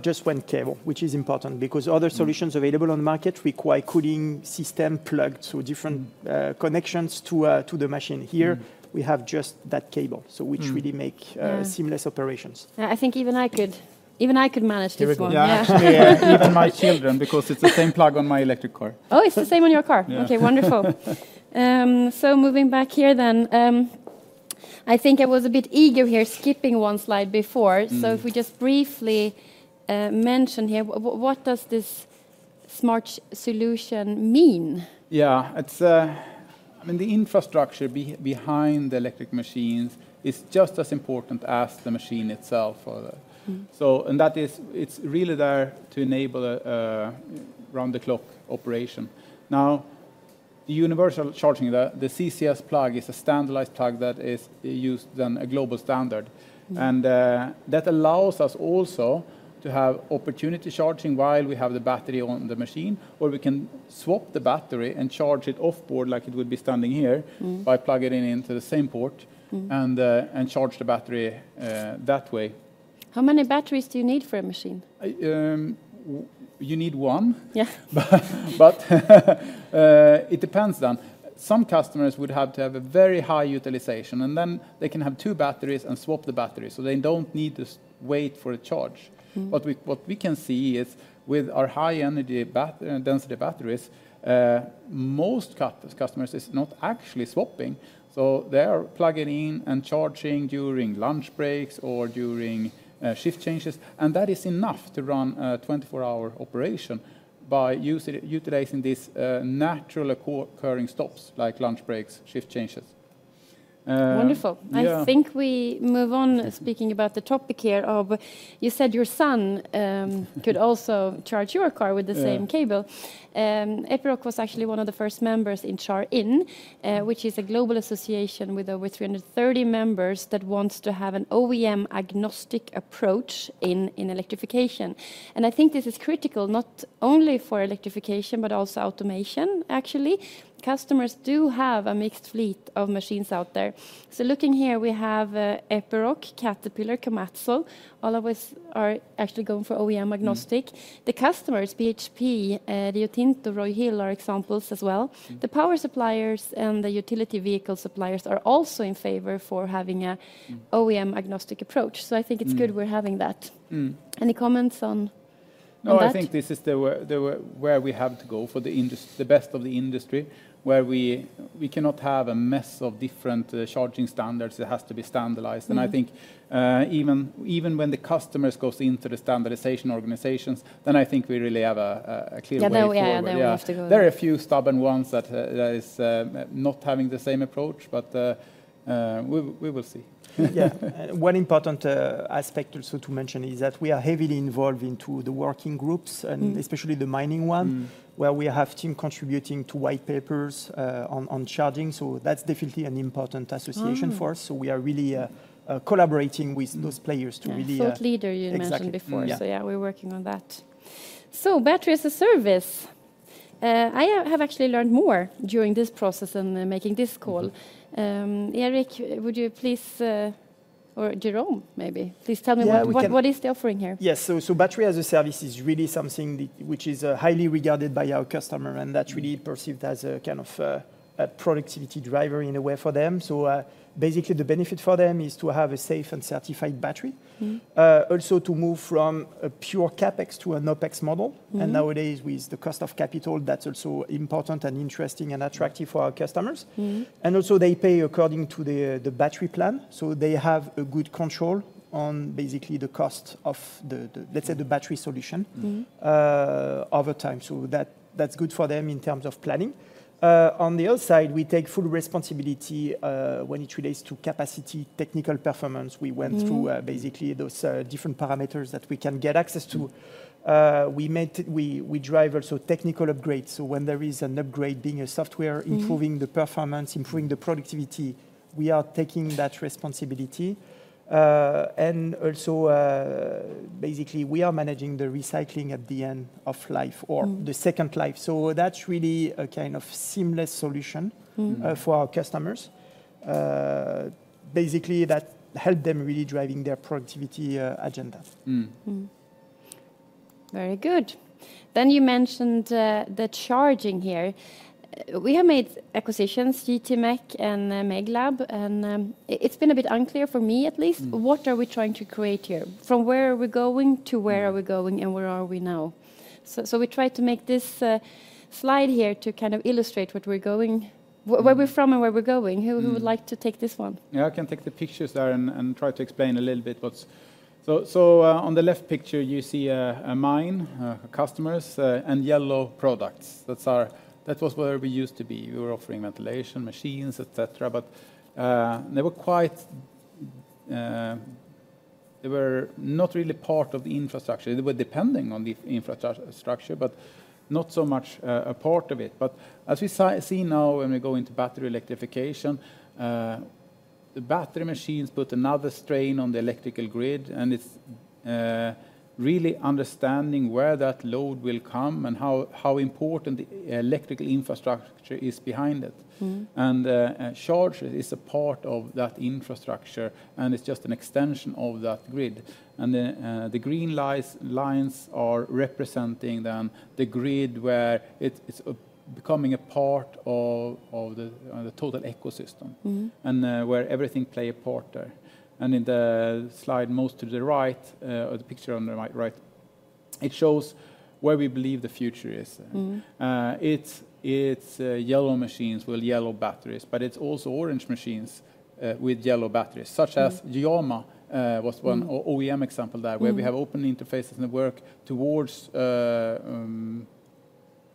D: just one cable, which is important, because other-
C: Mm...
D: solutions available on the market require cooling system plugged, so different-
C: Mm...
D: connections to the machine.
C: Mm.
D: Here, we have just that cable-
C: Mm...
D: so which really make,
B: Yeah...
D: seamless operations.
B: Yeah, I think even I could manage this one.
C: Yeah.
D: Yeah.
C: Even my children, because it's the same plug on my electric car.
B: Oh, it's the same on your car?
C: Yeah.
B: Okay, wonderful. So moving back here, then, I think I was a bit eager here, skipping one slide before.
C: Mm.
B: So if we just briefly mention here, what does this smart solution mean?
C: Yeah, it's. I mean, the infrastructure behind the electric machines is just as important as the machine itself.
B: Mm.
C: And that is, it's really there to enable a round-the-clock operation. Now, the universal charging, the CCS plug is a standardized plug that is used on a global standard.
B: Mm.
C: That allows us also to have opportunity charging while we have the battery on the machine, or we can swap the battery and charge it off-board, like it would be standing here-
B: Mm...
C: by plugging it into the same port-
B: Mm...
C: and charge the battery that way....
B: How many batteries do you need for a machine?
C: You need one.
B: Yeah.
C: But, it depends then. Some customers would have to have a very high utilization, and then they can have two batteries and swap the batteries, so they don't need to wait for a charge.
B: Mm.
C: But what we can see is, with our high-energy density batteries, most customers is not actually swapping, so they are plugging in and charging during lunch breaks or during shift changes, and that is enough to run a 24-hour operation by utilizing these natural occurring stops, like lunch breaks, shift changes.
B: Wonderful.
C: Yeah.
B: I think we move on, speaking about the topic here of... You said your son could also charge your car with the same-
C: Yeah...
B: cable. Epiroc was actually one of the first members in CharIN, which is a global association with over 330 members that wants to have an OEM-agnostic approach in electrification. And I think this is critical, not only for electrification, but also automation, actually. Customers do have a mixed fleet of machines out there. So looking here, we have Epiroc, Caterpillar, Komatsu, all of us are actually going for OEM-agnostic. Mm. The customers, BHP, Rio Tinto, Roy Hill, are examples as well. Mm. The power suppliers and the utility vehicle suppliers are also in favor for having a-
C: Mm...
B: OEM-agnostic approach.
C: Mm.
B: I think it's good we're having that.
C: Mm.
B: Any comments on that?
C: No, I think this is the way where we have to go for the best of the industry, where we, we cannot have a mess of different charging standards. It has to be standardized.
B: Mm.
C: I think even when the customers goes into the standardization organizations, then I think we really have a clear way forward.
B: Yeah, no, yeah, then we have to go-
C: Yeah. There are a few stubborn ones that, that is, not having the same approach, but, we, we will see.
D: Yeah. One important aspect also to mention is that we are heavily involved into the working groups-
B: Mm...
D: and especially the mining one-
C: Mm...
D: where we have team contributing to white papers, on charging, so that's definitely an important association for us.
B: Mm.
D: So we are really collaborating with those players to really
B: Yeah, thought leader you mentioned before.
D: Exactly. Yeah.
B: So yeah, we're working on that. Battery as a service. I have actually learned more during this process in making this call. Erik, would you please or Jérôme, maybe, please tell me-
D: Yeah, we can-...
B: what, what is the offering here?
D: Yes, so, so battery as a service is really something the, which is, highly regarded by our customer, and that's really perceived as a kind of, a productivity driver in a way for them. So, basically, the benefit for them is to have a safe and certified battery.
B: Mm.
D: Also to move from a pure CapEx to an OpEx model.
B: Mm-hmm.
D: Nowadays, with the cost of capital, that's also important and interesting and attractive for our customers.
B: Mm-hmm.
D: Also, they pay according to the battery plan, so they have a good control on basically the cost of the, let's say, the battery solution-
B: Mm...
D: over time. So that, that's good for them in terms of planning. On the other side, we take full responsibility, when it relates to capacity, technical performance.
B: Mm-hmm.
D: We went through basically those different parameters that we can get access to. We drive also technical upgrades, so when there is an upgrade, being a software-
B: Mm-hmm...
D: improving the performance, improving the productivity, we are taking that responsibility. And also, basically, we are managing the recycling at the end of life.
B: Mm...
D: or the second life. So that's really a kind of seamless solution-
B: Mm...
D: for our customers. Basically, that help them really driving their productivity, agenda.
C: Mm.
B: Mm. Very good. Then you mentioned the charging here. We have made acquisitions, JTMEC and Meglab, and it's been a bit unclear, for me at least-
C: Mm...
B: what are we trying to create here? From where are we going, to where are we going, and where are we now? So, so we tried to make this slide here to kind of illustrate where we're from and where we're going.
C: Mm.
B: Who would like to take this one?
C: Yeah, I can take the pictures there and try to explain a little bit what's... So, on the left picture, you see a mine, customers, and yellow products. That's our- that was where we used to be. We were offering ventilation machines, et cetera, but, they were quite... They were not really part of the infrastructure. They were depending on the infrastructure, but not so much a part of it. But as we see now when we go into battery electrification, the battery machines put another strain on the electrical grid, and it's really understanding where that load will come and how important the electrical infrastructure is behind it.
B: Mm.
C: And charge is a part of that infrastructure, and it's just an extension of that grid. And the green lines are representing then the grid where it's becoming a part of the total ecosystem-
B: Mm...
C: and, where everything play a part there. And in the slide most to the right, or the picture on the right, right, it shows where we believe the future is.
B: Mm.
C: It's yellow machines with yellow batteries, but it's also orange machines with yellow batteries, such as-
B: Mm...
C: Jama was one-
B: Mm...
C: OEM example there-
B: Mm...
C: where we have open interfaces and work towards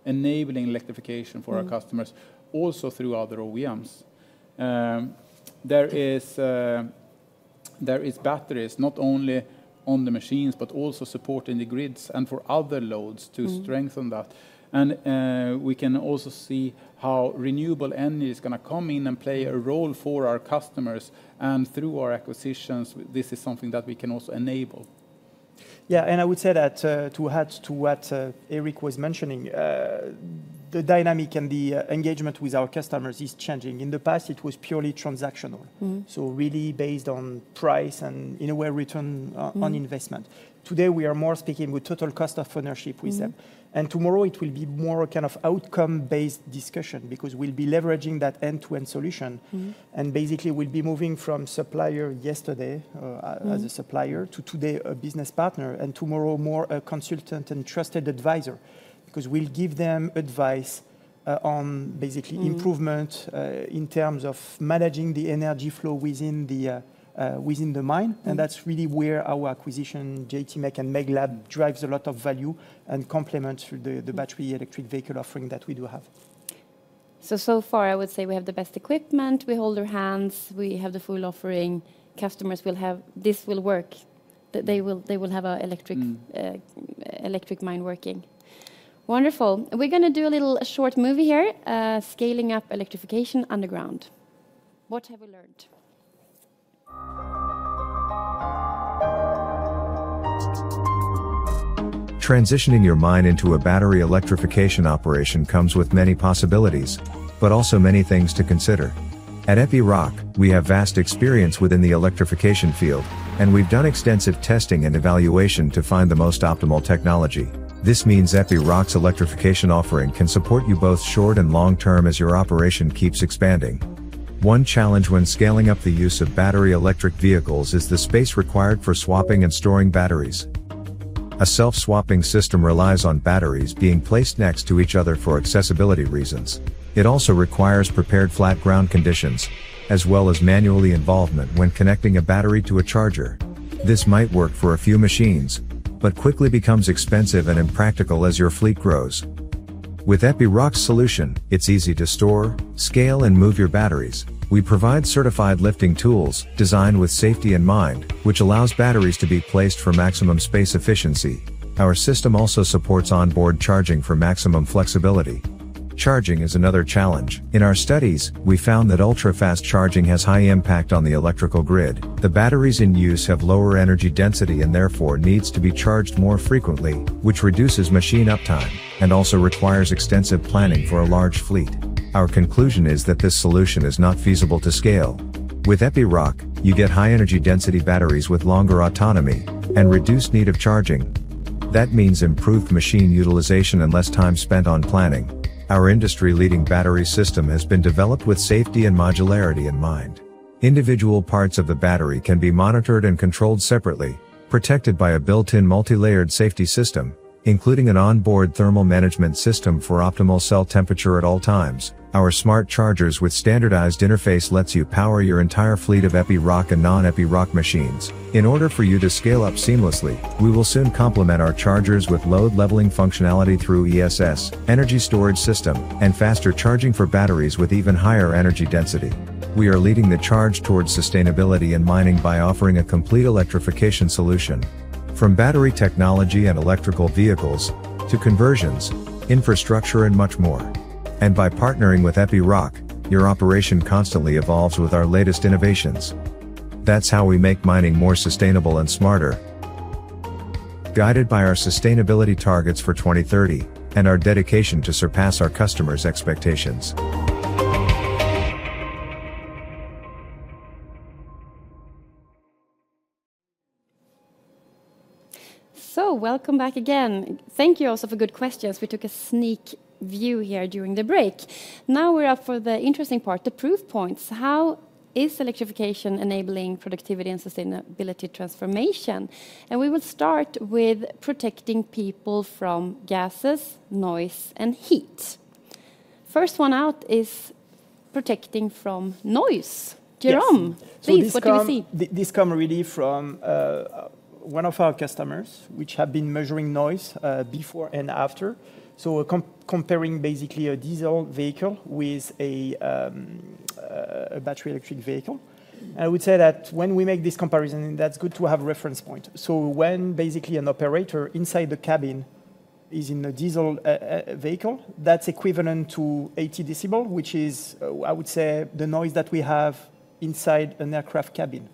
C: enabling electrification for our customers-
B: Mm...
C: also through other OEMs. There is batteries, not only on the machines, but also supporting the grids and for other loads-
B: Mm...
C: to strengthen that. And we can also see how renewable energy is gonna come in and play a role for our customers, and through our acquisitions, this is something that we can also enable....
D: Yeah, and I would say that, to add to what Erik was mentioning, the dynamic and the engagement with our customers is changing. In the past, it was purely transactional-
B: Mm.
D: So really based on price and, in a way, return on investment.
B: Mm.
D: Today, we are more speaking with total cost of ownership with them.
B: Mm.
D: Tomorrow it will be more a kind of outcome-based discussion, because we'll be leveraging that end-to-end solution.
B: Mm.
D: Basically we'll be moving from supplier yesterday.
B: Mm...
D: as a supplier, to today, a business partner, and tomorrow, more a consultant and trusted advisor. Because we'll give them advice on basically-
B: Mm...
D: improvement in terms of managing the energy flow within the mine.
B: Mm.
D: That's really where our acquisition, JTMEC and Meglab, drives a lot of value and complements the battery electric vehicle offering that we do have.
B: So, so far I would say we have the best equipment, we hold their hands, we have the full offering, customers will have... This will work. That they will, they will have a electric-
D: Mm...
B: electric mine working. Wonderful. We're gonna do a little short movie here, scaling up electrification underground. What have we learned?
A: Transitioning your mine into a battery electrification operation comes with many possibilities, but also many things to consider. At Epiroc, we have vast experience within the electrification field, and we've done extensive testing and evaluation to find the most optimal technology. This means Epiroc's electrification offering can support you both short and long term as your operation keeps expanding. One challenge when scaling up the use of battery electric vehicles is the space required for swapping and storing batteries. A self-swapping system relies on batteries being placed next to each other for accessibility reasons. It also requires prepared flat ground conditions, as well as manual involvement when connecting a battery to a charger. This might work for a few machines, but quickly becomes expensive and impractical as your fleet grows. With Epiroc's solution, it's easy to store, scale, and move your batteries. We provide certified lifting tools designed with safety in mind, which allows batteries to be placed for maximum space efficiency. Our system also supports onboard charging for maximum flexibility. Charging is another challenge. In our studies, we found that ultra-fast charging has high impact on the electrical grid. The batteries in use have lower energy density, and therefore needs to be charged more frequently, which reduces machine uptime, and also requires extensive planning for a large fleet. Our conclusion is that this solution is not feasible to scale. With Epiroc, you get high-energy-density batteries with longer autonomy and reduced need of charging. That means improved machine utilization and less time spent on planning. Our industry-leading battery system has been developed with safety and modularity in mind. Individual parts of the battery can be monitored and controlled separately, protected by a built-in multi-layered safety system, including an onboard thermal management system for optimal cell temperature at all times. Our smart chargers with standardized interface lets you power your entire fleet of Epiroc and non-Epiroc machines. In order for you to scale up seamlessly, we will soon complement our chargers with load-leveling functionality through ESS, energy storage system, and faster charging for batteries with even higher energy density. We are leading the charge towards sustainability in mining by offering a complete electrification solution, from battery technology and electrical vehicles to conversions, infrastructure, and much more. By partnering with Epiroc, your operation constantly evolves with our latest innovations. That's how we make mining more sustainable and smarter, guided by our sustainability targets for 2030, and our dedication to surpass our customers' expectations.
B: Welcome back again. Thank you also for good questions. We took a sneak view here during the break. Now we're up for the interesting part, the proof points. How is electrification enabling productivity and sustainability transformation? We will start with protecting people from gases, noise, and heat. First one out is protecting from noise.
D: Yes.
B: Jérôme, please, what do we see?
D: So this comes really from one of our customers, which have been measuring noise before and after. So we're comparing basically a diesel vehicle with a battery electric vehicle. I would say that when we make this comparison, that's good to have a reference point. So when basically an operator inside the cabin is in a diesel vehicle, that's equivalent to 80 decibel, which is, I would say, the noise that we have inside an aircraft cabin.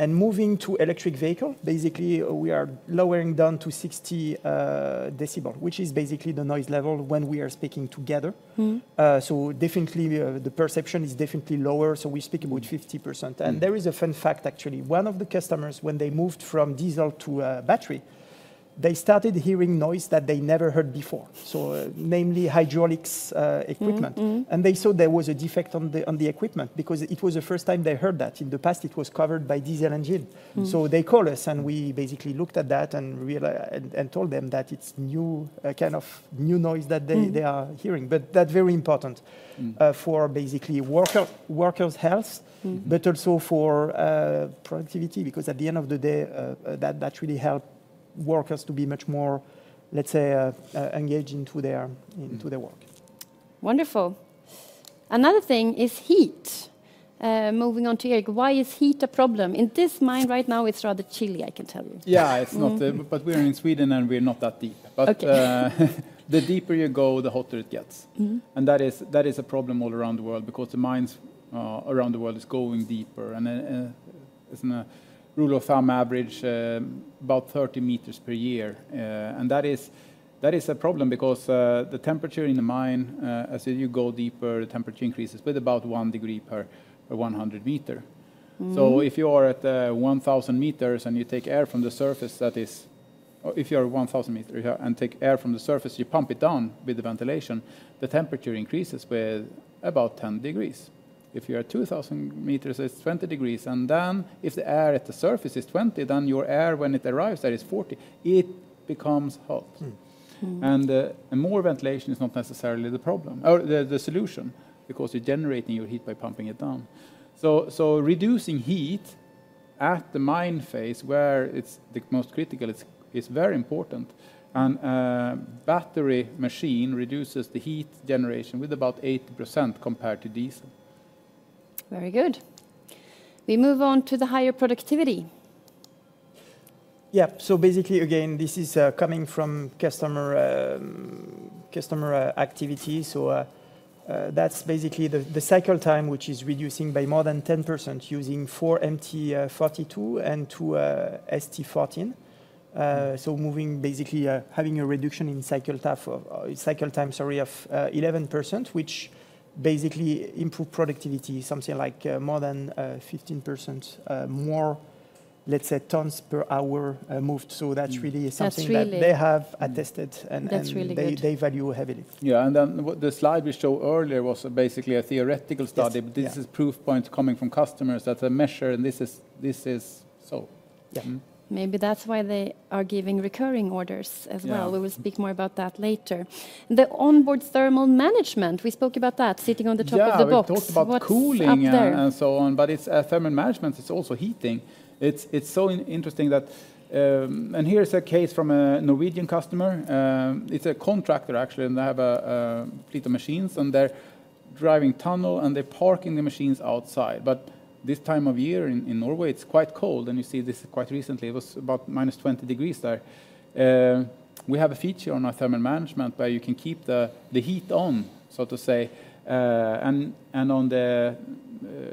B: Mm-hmm.
D: Moving to electric vehicle, basically we are lowering down to 60 decibels, which is basically the noise level when we are speaking together.
B: Mm.
D: Definitely, the perception is definitely lower, so we speak about 50%.
B: Mm.
D: There is a fun fact, actually. One of the customers, when they moved from diesel to battery, they started hearing noise that they never heard before. Namely hydraulics, equipment.
B: Mm-hmm. Mm-hmm.
D: They thought there was a defect on the equipment because it was the first time they heard that. In the past, it was covered by diesel engine.
B: Mm.
D: So they called us, and we basically looked at that and told them that it's new, a kind of new noise that they-
B: Mm...
D: they are hearing. But that's very important-
B: Mm...
D: for basically worker's health-
B: Mm...
D: but also for productivity, because at the end of the day, that really help workers to be much more, let's say, engaged into their work.
B: Wonderful. Another thing is heat. Moving on to Erik, why is heat a problem? In this mine right now, it's rather chilly, I can tell you.
C: Yeah.
B: Mm.
C: It's not, but we're in Sweden, and we're not that deep.
B: Okay.
C: The deeper you go, the hotter it gets.
B: Mm-hmm.
C: That is a problem all around the world, because the mines around the world is going deeper. As in a rule of thumb average, about 30 meters per year. That is a problem because the temperature in the mine, as you go deeper, the temperature increases with about 1 degree per 100 meter.
B: Mm-hmm.
C: So if you are at 1,000 meters and you take air from the surface, or if you are 1,000 meters, and take air from the surface, you pump it down with the ventilation, the temperature increases with about 10 degrees. If you are 2,000 meters, it's 20 degrees, and then if the air at the surface is 20, then your air when it arrives there is 40. It becomes hot.
B: Mm.
C: And more ventilation is not necessarily the problem or the solution, because you're generating your heat by pumping it down. So reducing heat at the mine phase, where it's the most critical, it's very important. And battery machine reduces the heat generation with about 80% compared to diesel.
B: Very good. We move on to the higher productivity.
D: Yeah. So basically, again, this is coming from customer activity. So that's basically the cycle time, which is reducing by more than 10% using 4 MT42 and 2 ST14. So moving basically having a reduction in cycle time, cycle time, sorry, of 11%, which basically improve productivity, something like more than 15% more, let's say, tons per hour moved. So that really-
B: That's really-
D: is something that they have attested, and
B: That's really good....
D: they value heavily.
C: Yeah, and then what the slide we showed earlier was basically a theoretical study.
D: Yes. Yeah.
C: But this is proof points coming from customers that they measure, and this is, this is so.
D: Yeah.
B: Maybe that's why they are giving recurring orders as well.
C: Yeah.
B: We will speak more about that later. The onboard thermal management, we spoke about that, sitting on the top of the box.
C: Yeah.
B: What's up there?
C: We talked about cooling and so on, but it's thermal management, it's also heating. It's so interesting that... Here's a case from a Norwegian customer. It's a contractor, actually, and they have a fleet of machines, and they're driving tunnel, and they're parking the machines outside. But this time of year in Norway, it's quite cold, and you see this quite recently, it was about -20 degrees there. We have a feature on our thermal management where you can keep the heat on, so to say. And on the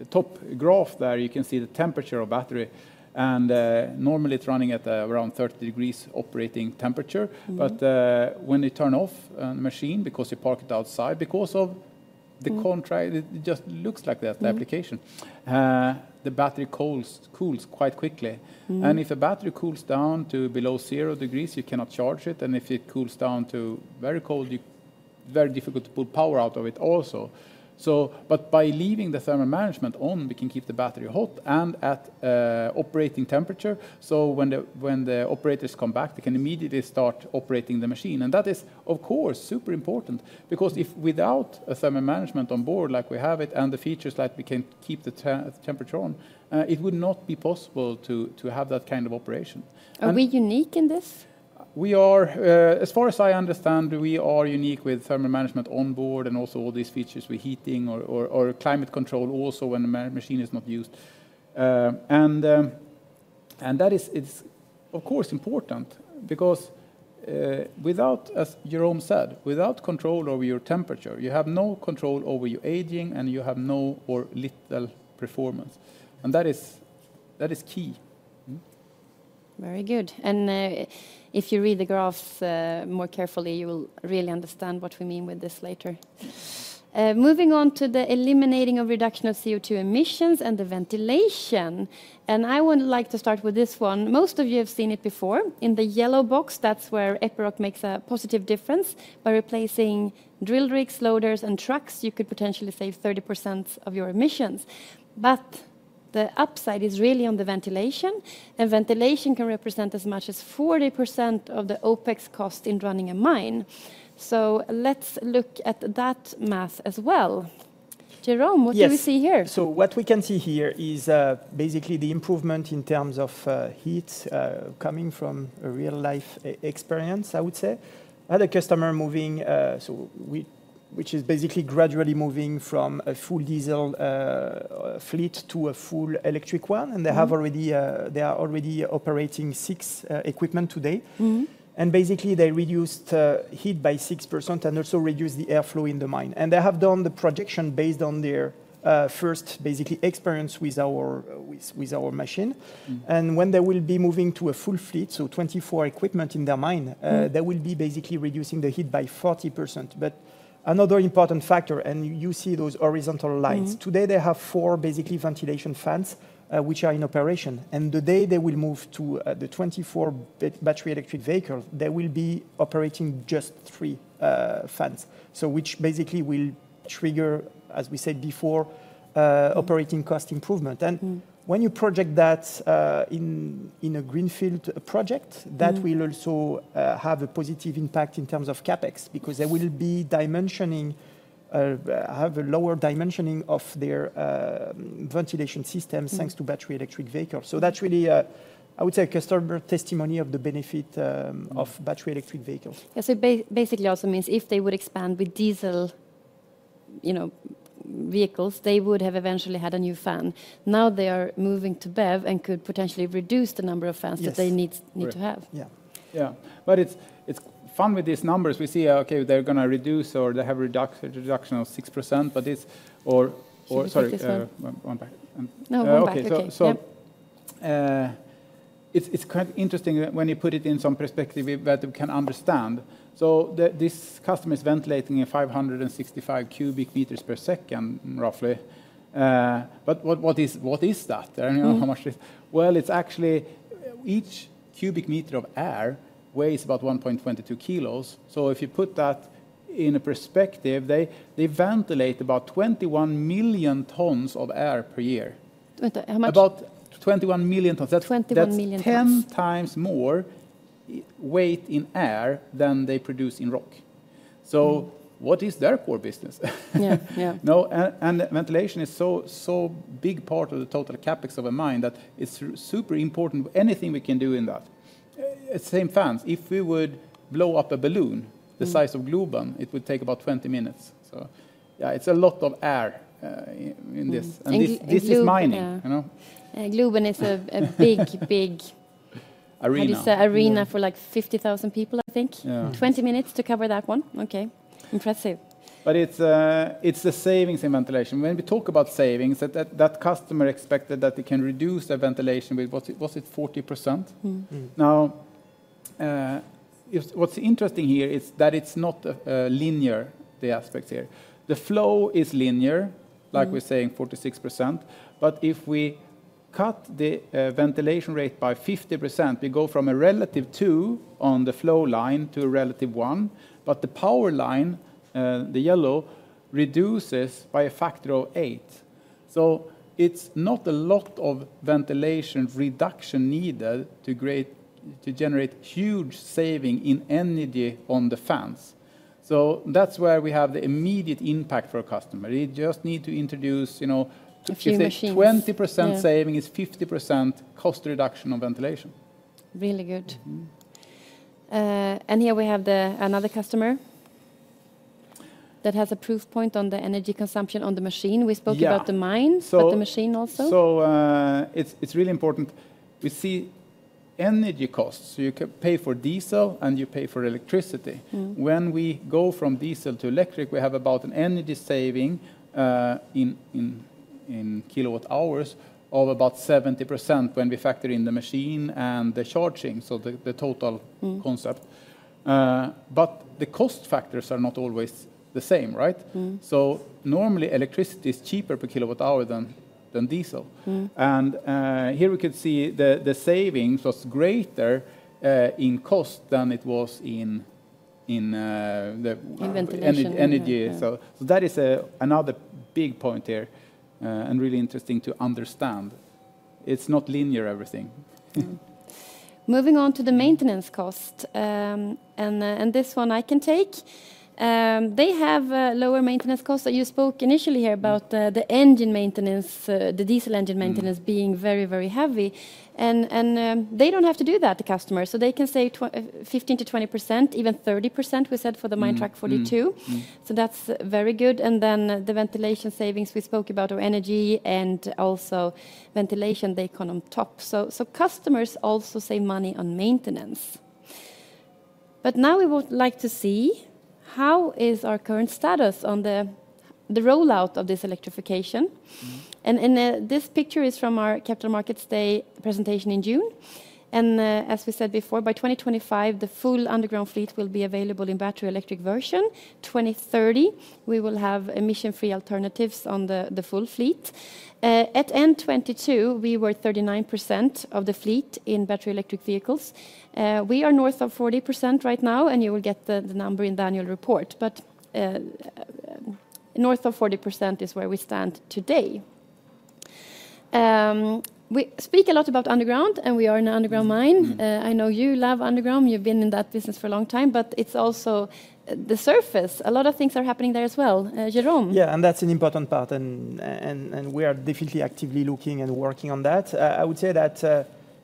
C: top graph there, you can see the temperature of battery, and normally it's running at around 30 degrees operating temperature.
B: Mm.
C: But when they turn off a machine because you park it outside, because of the contraction, it just looks like that, the application.
B: Mm.
C: The battery cools quite quickly.
B: Mm.
C: If a battery cools down to below zero degrees, you cannot charge it, and if it cools down to very cold, very difficult to pull power out of it also. But by leaving the thermal management on, we can keep the battery hot and at operating temperature, so when the operators come back, they can immediately start operating the machine. And that is, of course, super important, because if without a thermal management on board, like we have it, and the features that we can keep the temperature on, it would not be possible to have that kind of operation. And
B: Are we unique in this?
C: We are, as far as I understand, we are unique with thermal management on board and also all these features with heating or climate control also when the machine is not used. That is, it's, of course, important because without, as Jérôme said, without control over your temperature, you have no control over your aging, and you have no or little performance, and that is, that is key.
B: Very good. If you read the graphs more carefully, you will really understand what we mean with this later. Moving on to the eliminating of reduction of CO2 emissions and the ventilation, and I would like to start with this one. Most of you have seen it before. In the yellow box, that's where Epiroc makes a positive difference. By replacing drill rigs, loaders, and trucks, you could potentially save 30% of your emissions. But the upside is really on the ventilation. Ventilation can represent as much as 40% of the OpEx cost in running a mine. Let's look at that math as well. Jérôme-
D: Yes.
B: What do we see here?
D: So what we can see here is basically the improvement in terms of heat coming from a real-life experience, I would say. Had a customer moving, so which is basically gradually moving from a full diesel fleet to a full electric one.
B: Mm-hmm.
D: They have already, they are already operating six equipment today.
B: Mm-hmm.
D: Basically, they reduced heat by 6% and also reduced the airflow in the mine. They have done the projection based on their first basically experience with our machine.
C: Mm.
D: When they will be moving to a full fleet, so 24 equipment in their mine-
B: Mm...
D: they will be basically reducing the heat by 40%. But another important factor, and you see those horizontal lines.
B: Mm.
D: Today, they have four, basically, ventilation fans which are in operation, and the day they will move to the 24 battery electric vehicles, they will be operating just three fans. So which basically will trigger, as we said before.
B: Mm...
D: operating cost improvement.
B: Mm.
D: When you project that, in a greenfield project-
B: Mm...
D: that will also have a positive impact in terms of CapEx, because they will be dimensioning, have a lower dimensioning of their ventilation systems-
B: Mm...
D: thanks to battery electric vehicles. So that's really, I would say, a customer testimony of the benefit, of-
B: Mm...
D: battery electric vehicles.
B: Yeah, so basically, also means if they would expand with diesel, you know, vehicles, they would have eventually had a new fan. Now they are moving to BEV and could potentially reduce the number of fans-
D: Yes...
B: that they need-
C: Right...
B: need to have.
D: Yeah....
C: Yeah, but it's fun with these numbers. We see, okay, they're gonna reduce or they have a reduction of 6%, but it's... Or, sorry-
B: Should we put this one?
C: 1, 1 back, and
B: No, go back.
C: Okay.
B: Okay, yep.
C: It's quite interesting when you put it in some perspective we better can understand. So this customer is ventilating at 565 cubic meters per second, roughly. But what is that?
B: Mm.
C: I don't know how much it is. Well, it's actually each cubic meter of air weighs about 1.22 kilos. So if you put that in a perspective, they, they ventilate about 21 million tons of air per year.
B: Wait, how much?
C: About 21 million tons.
B: 21 million tons.
C: That's 10 times more weight in air than they produce in rock.
B: Mm.
C: What is their core business?
B: Yeah. Yeah.
C: No, and ventilation is so, so big part of the total CapEx of a mine that it's super important anything we can do in that. Same fans, if we would blow up a balloon-
B: Mm...
C: the size of Globen, it would take about 20 minutes. So yeah, it's a lot of air in this.
B: And Glo-
C: This, this is mining, you know?
B: Globen is a big, big-
C: Arena...
B: how do you say? Arena for, like, 50,000 people, I think.
C: Yeah.
B: 20 minutes to cover that one? Okay. Impressive.
C: But it's the savings in ventilation. When we talk about savings, that customer expected that they can reduce their ventilation with, what's it? Was it 40%?
B: Mm.
C: Now, what's interesting here is that it's not a linear aspect here. The flow is linear-
B: Mm...
C: like we're saying, 46%, but if we cut the ventilation rate by 50%, we go from a relative two on the flow line to a relative one, but the power line, the yellow, reduces by a factor of eight. So it's not a lot of ventilation reduction needed to create- to generate huge saving in energy on the fans. So that's where we have the immediate impact for our customer. They just need to introduce, you know-
B: A few machines....
C: 20% saving-
B: Yeah...
C: is 50% cost reduction on ventilation.
B: Really good.
C: Mm.
B: And here we have another customer that has a proof point on the energy consumption on the machine.
E: Yeah.
B: We spoke about the mine-
C: So-
B: But the machine also.
C: So, it's really important. We see energy costs, so you can pay for diesel, and you pay for electricity.
B: Mm.
C: When we go from diesel to electric, we have about an energy saving in kilowatt hours of about 70% when we factor in the machine and the charging, so the total-
B: Mm...
C: concept. But the cost factors are not always the same, right?
B: Mm.
C: Normally, electricity is cheaper per kilowatt hour than diesel.
B: Mm.
C: Here we could see the savings was greater in cost than it was in the-
B: In ventilation...
C: energy, energy.
B: Yeah.
C: So that is another big point here, and really interesting to understand. It's not linear, everything.
B: Moving on to the maintenance cost, and this one I can take. They have lower maintenance costs. So you spoke initially here about the engine maintenance, the diesel engine maintenance-
C: Mm...
B: being very, very heavy, and they don't have to do that, the customer, so they can save 15%-20%, even 30%, we said, for the Minetruck MT42.
C: Mm. Mm.
B: So that's very good, and then the ventilation savings we spoke about, of energy, and also ventilation, they come on top. So, customers also save money on maintenance. But now we would like to see how is our current status on the rollout of this electrification?
C: Mm.
B: This picture is from our Capital Markets Day presentation in June. As we said before, by 2025, the full underground fleet will be available in battery electric version. 2030, we will have emission-free alternatives on the full fleet. At end 2022, we were 39% of the fleet in battery electric vehicles. We are north of 40% right now, and you will get the number in the annual report. North of 40% is where we stand today. We speak a lot about underground, and we are an underground mine.
C: Mm.
B: I know you love underground. You've been in that business for a long time, but it's also the surface. A lot of things are happening there as well. Jérôme?
D: Yeah, and that's an important part, and we are definitely actively looking and working on that. I would say that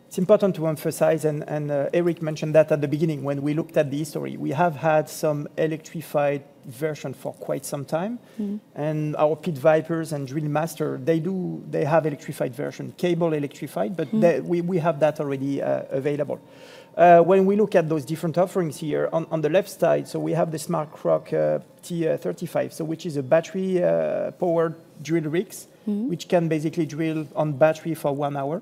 D: it's important to emphasize, and Erik mentioned that at the beginning when we looked at the history, we have had some electrified version for quite some time.
B: Mm.
D: Our Pit Vipers and Drill Master, they have electrified version, cable electrified.
B: Mm...
D: but we, we have that already available. When we look at those different offerings here, on the left side, so we have the SmartROC T35, so which is a battery powered drill rigs-
B: Mm...
D: which can basically drill on battery for one hour.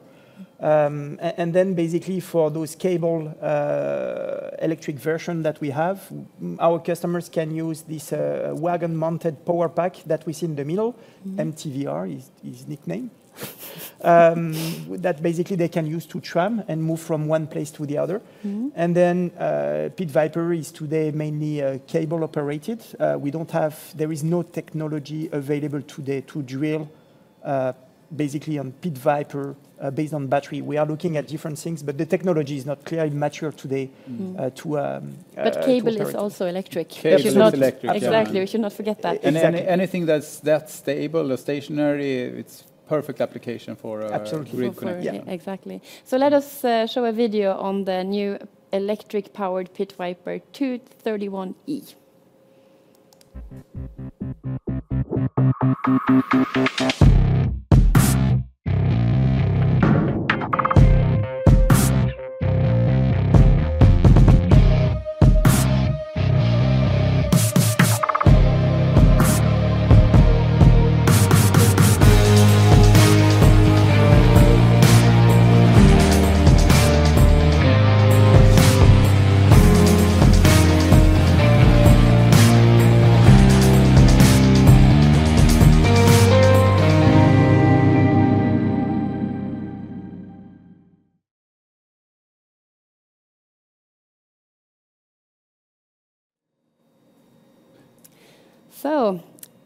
D: And then basically for those cable-electric version that we have, our customers can use this wagon-mounted power pack that we see in the middle.
B: Mm.
D: MTVR is nickname. That basically they can use to tram and move from one place to the other.
B: Mm.
D: Pit Viper is today mainly cable operated. We don't have... There is no technology available today to drill, basically on Pit Viper, based on battery. We are looking at different things, but the technology is not clear and mature today.
B: Mm... But cable is also electric.
D: Cable is also electric.
C: Exactly.
B: We should not forget that.
D: Exactly.
C: Anything that's stable or stationary, it's perfect application for.
D: Absolutely...
C: rig connect.
B: For, yeah, exactly. So let us show a video on the new electric-powered Pit Viper 231E.... So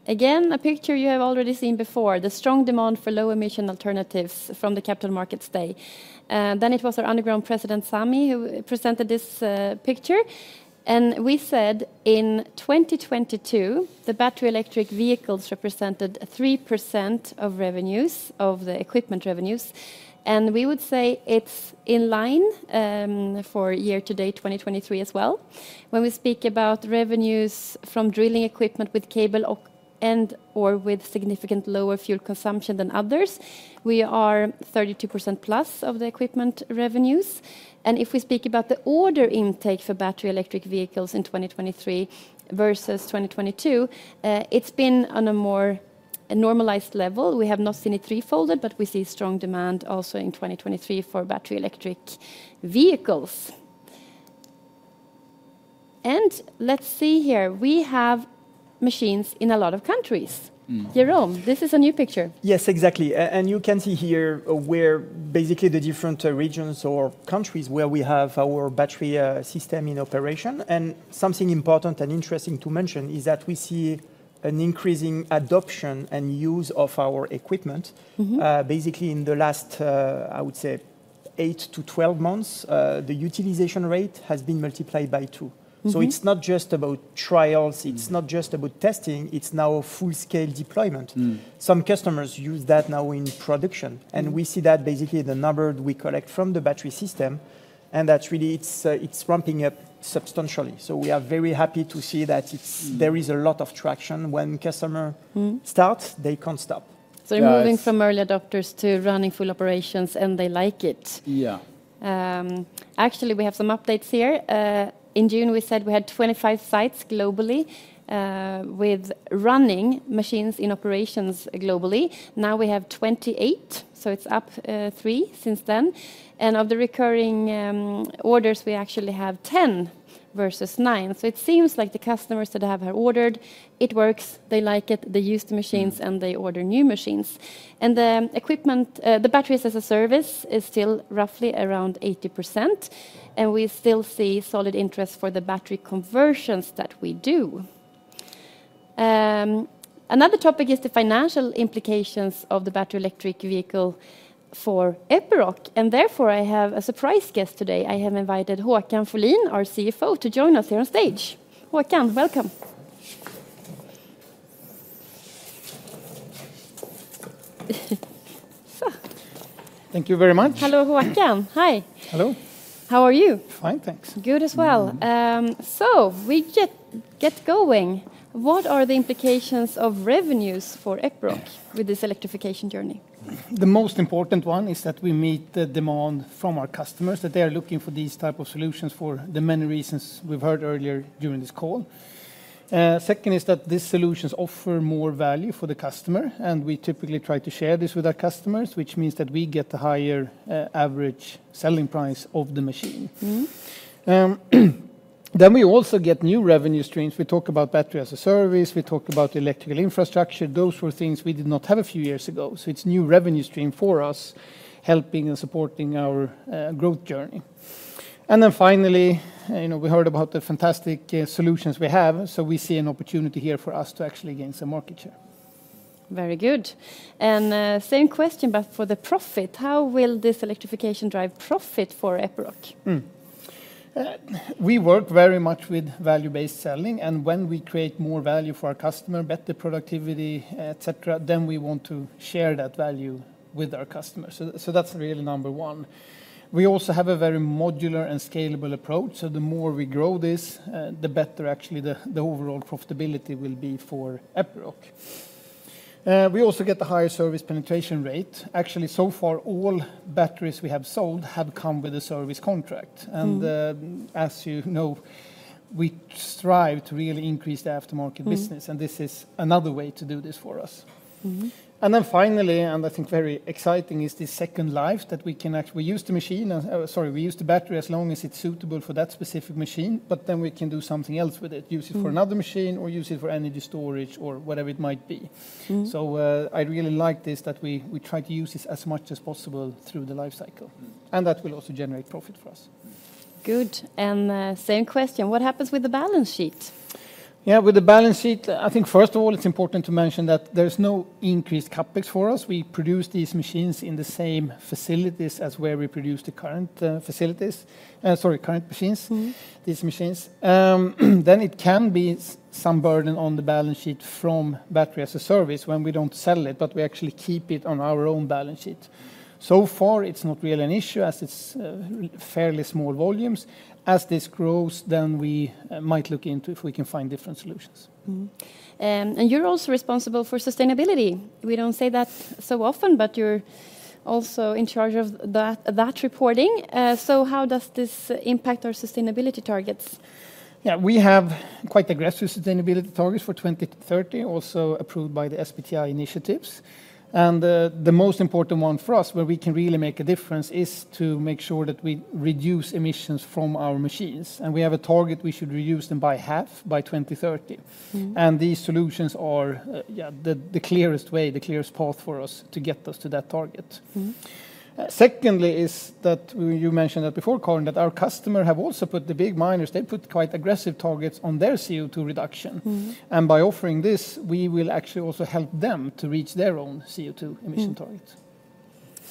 B: again, a picture you have already seen before, the strong demand for low emission alternatives from the Capital Markets Day. Then it was our Underground President, Sami, who presented this picture, and we said in 2022, the battery electric vehicles represented 3% of revenues, of the equipment revenues, and we would say it's in line for year to date 2023 as well. When we speak about revenues from drilling equipment with cable and/or with significant lower fuel consumption than others, we are 32% plus of the equipment revenues. And if we speak about the order intake for battery electric vehicles in 2023 versus 2022, it's been on a more normalized level. We have not seen it three-folded, but we see strong demand also in 2023 for battery electric vehicles. Let's see here, we have machines in a lot of countries.
D: Mm.
B: Jérôme, this is a new picture.
D: Yes, exactly. And you can see here where basically the different regions or countries where we have our battery system in operation. And something important and interesting to mention is that we see an increasing adoption and use of our equipment.
B: Mm-hmm.
D: Basically, in the last, I would say 8-12 months, the utilization rate has been multiplied by 2.
B: Mm-hmm.
D: It's not just about trials-
B: Mm....
D: it's not just about testing, it's now a full-scale deployment.
B: Mm.
D: Some customers use that now in production.
B: Mm...
D: and we see that basically the number we collect from the battery system, and that really, it's, it's ramping up substantially. So we are very happy to see that it's-
B: Mm...
D: there is a lot of traction. When customer-
B: Mm...
D: starts, they can't stop.
B: So-
D: Yes...
B: moving from early adopters to running full operations, and they like it.
D: Yeah.
B: Actually, we have some updates here. In June, we said we had 25 sites globally with running machines in operations globally. Now, we have 28, so it's up 3 since then. And of the recurring orders, we actually have 10 versus 9. So it seems like the customers that have ordered, it works, they like it, they use the machines-
D: Mm...
B: and they order new machines. The equipment, the batteries as a service is still roughly around 80%, and we still see solid interest for the battery conversions that we do. Another topic is the financial implications of the battery electric vehicle for Epiroc, and therefore, I have a surprise guest today. I have invited Håkan Folin, our CFO, to join us here on stage. Håkan, welcome. So-
E: Thank you very much.
B: Hello, Håkan. Hi.
E: Hello.
B: How are you?
E: Fine, thanks.
B: Good as well.
E: Mm-hmm.
B: So we get going. What are the implications of revenues for Epiroc?
E: Mm...
B: with this electrification journey?
E: The most important one is that we meet the demand from our customers, that they are looking for these type of solutions for the many reasons we've heard earlier during this call. Second is that these solutions offer more value for the customer, and we typically try to share this with our customers, which means that we get a higher average selling price of the machine.
B: Mm.
E: Then we also get new revenue streams. We talk about battery as a service, we talk about electrical infrastructure. Those were things we did not have a few years ago, so it's new revenue stream for us, helping and supporting our growth journey. And then finally, you know, we heard about the fantastic solutions we have, so we see an opportunity here for us to actually gain some market share.
B: Very good. Same question, but for the profit, how will this electrification drive profit for Epiroc?
E: We work very much with value-based selling, and when we create more value for our customer, better productivity, et cetera, then we want to share that value with our customers. So, so that's really number one. We also have a very modular and scalable approach, so the more we grow this, the better actually the, the overall profitability will be for Epiroc. We also get the higher service penetration rate. Actually, so far, all batteries we have sold have come with a service contract.
B: Mm.
E: As you know, we strive to really increase the aftermarket business-
B: Mm...
E: and this is another way to do this for us.
B: Mm-hmm.
E: And then finally, and I think very exciting, is the second life that we can actually use the machine. Sorry, we use the battery as long as it's suitable for that specific machine, but then we can do something else with it.
B: Mm.
E: Use it for another machine, or use it for energy storage, or whatever it might be.
B: Mm.
E: I really like this, that we try to use this as much as possible through the life cycle, and that will also generate profit for us.
B: Good. And, same question, what happens with the balance sheet?
E: Yeah, with the balance sheet, I think, first of all, it's important to mention that there's no increased CapEx for us. We produce these machines in the same facilities as where we produce the current machines-
B: Mm...
E: these machines. Then it can be some burden on the balance sheet from Batteries as a Service when we don't sell it, but we actually keep it on our own balance sheet. So far, it's not really an issue, as it's fairly small volumes. As this grows, then we might look into if we can find different solutions.
B: You're also responsible for sustainability. We don't say that so often, but you're also in charge of that, that reporting. So how does this impact our sustainability targets?
E: Yeah, we have quite aggressive sustainability targets for 2030, also approved by the SBTi initiatives. The most important one for us, where we can really make a difference, is to make sure that we reduce emissions from our machines. We have a target, we should reduce them by half by 2030.
B: Mm-hmm.
E: And these solutions are the clearest way, the clearest path for us to get to that target.
B: Mm-hmm.
C: Secondly, is that you mentioned that before, Karin, that our customer have also put the big miners. They put quite aggressive targets on their CO2 reduction.
B: Mm-hmm.
C: By offering this, we will actually also help them to reach their own CO2 emission targets.
B: Mm-hmm.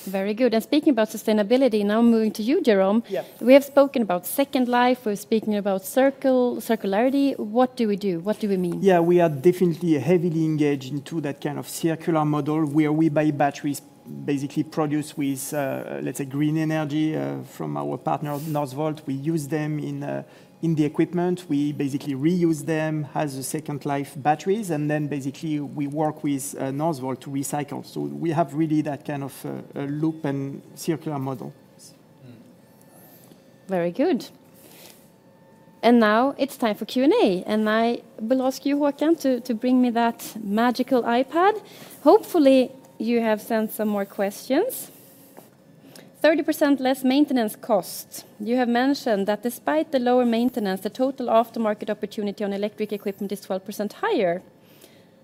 B: Very good. Speaking about sustainability, now moving to you, Jérôme.
D: Yeah.
B: We have spoken about second life, we're speaking about circularity. What do we do? What do we mean?
D: Yeah, we are definitely heavily engaged into that kind of circular model, where we buy batteries basically produced with, let's say, green energy, from our partner, Northvolt. We use them in the equipment. We basically reuse them as second life batteries, and then basically we work with Northvolt to recycle. So we have really that kind of a loop and circular model.
B: Mm-hmm. Very good. And now it's time for Q&A, and I will ask you, Håkan, to bring me that magical iPad. Hopefully, you have sent some more questions. 30% less maintenance costs. You have mentioned that despite the lower maintenance, the total aftermarket opportunity on electric equipment is 12% higher.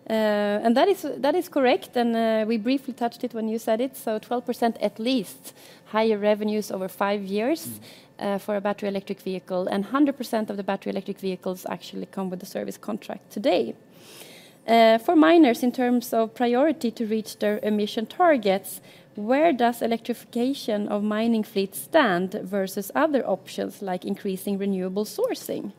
B: And that is correct, and we briefly touched it when you said it, so 12% at least higher revenues over five years-
C: Mm...
B: for a battery electric vehicle, and 100% of the battery electric vehicles actually come with a service contract today. For miners, in terms of priority to reach their emission targets, where does electrification of mining fleet stand versus other options, like increasing renewable sourcing?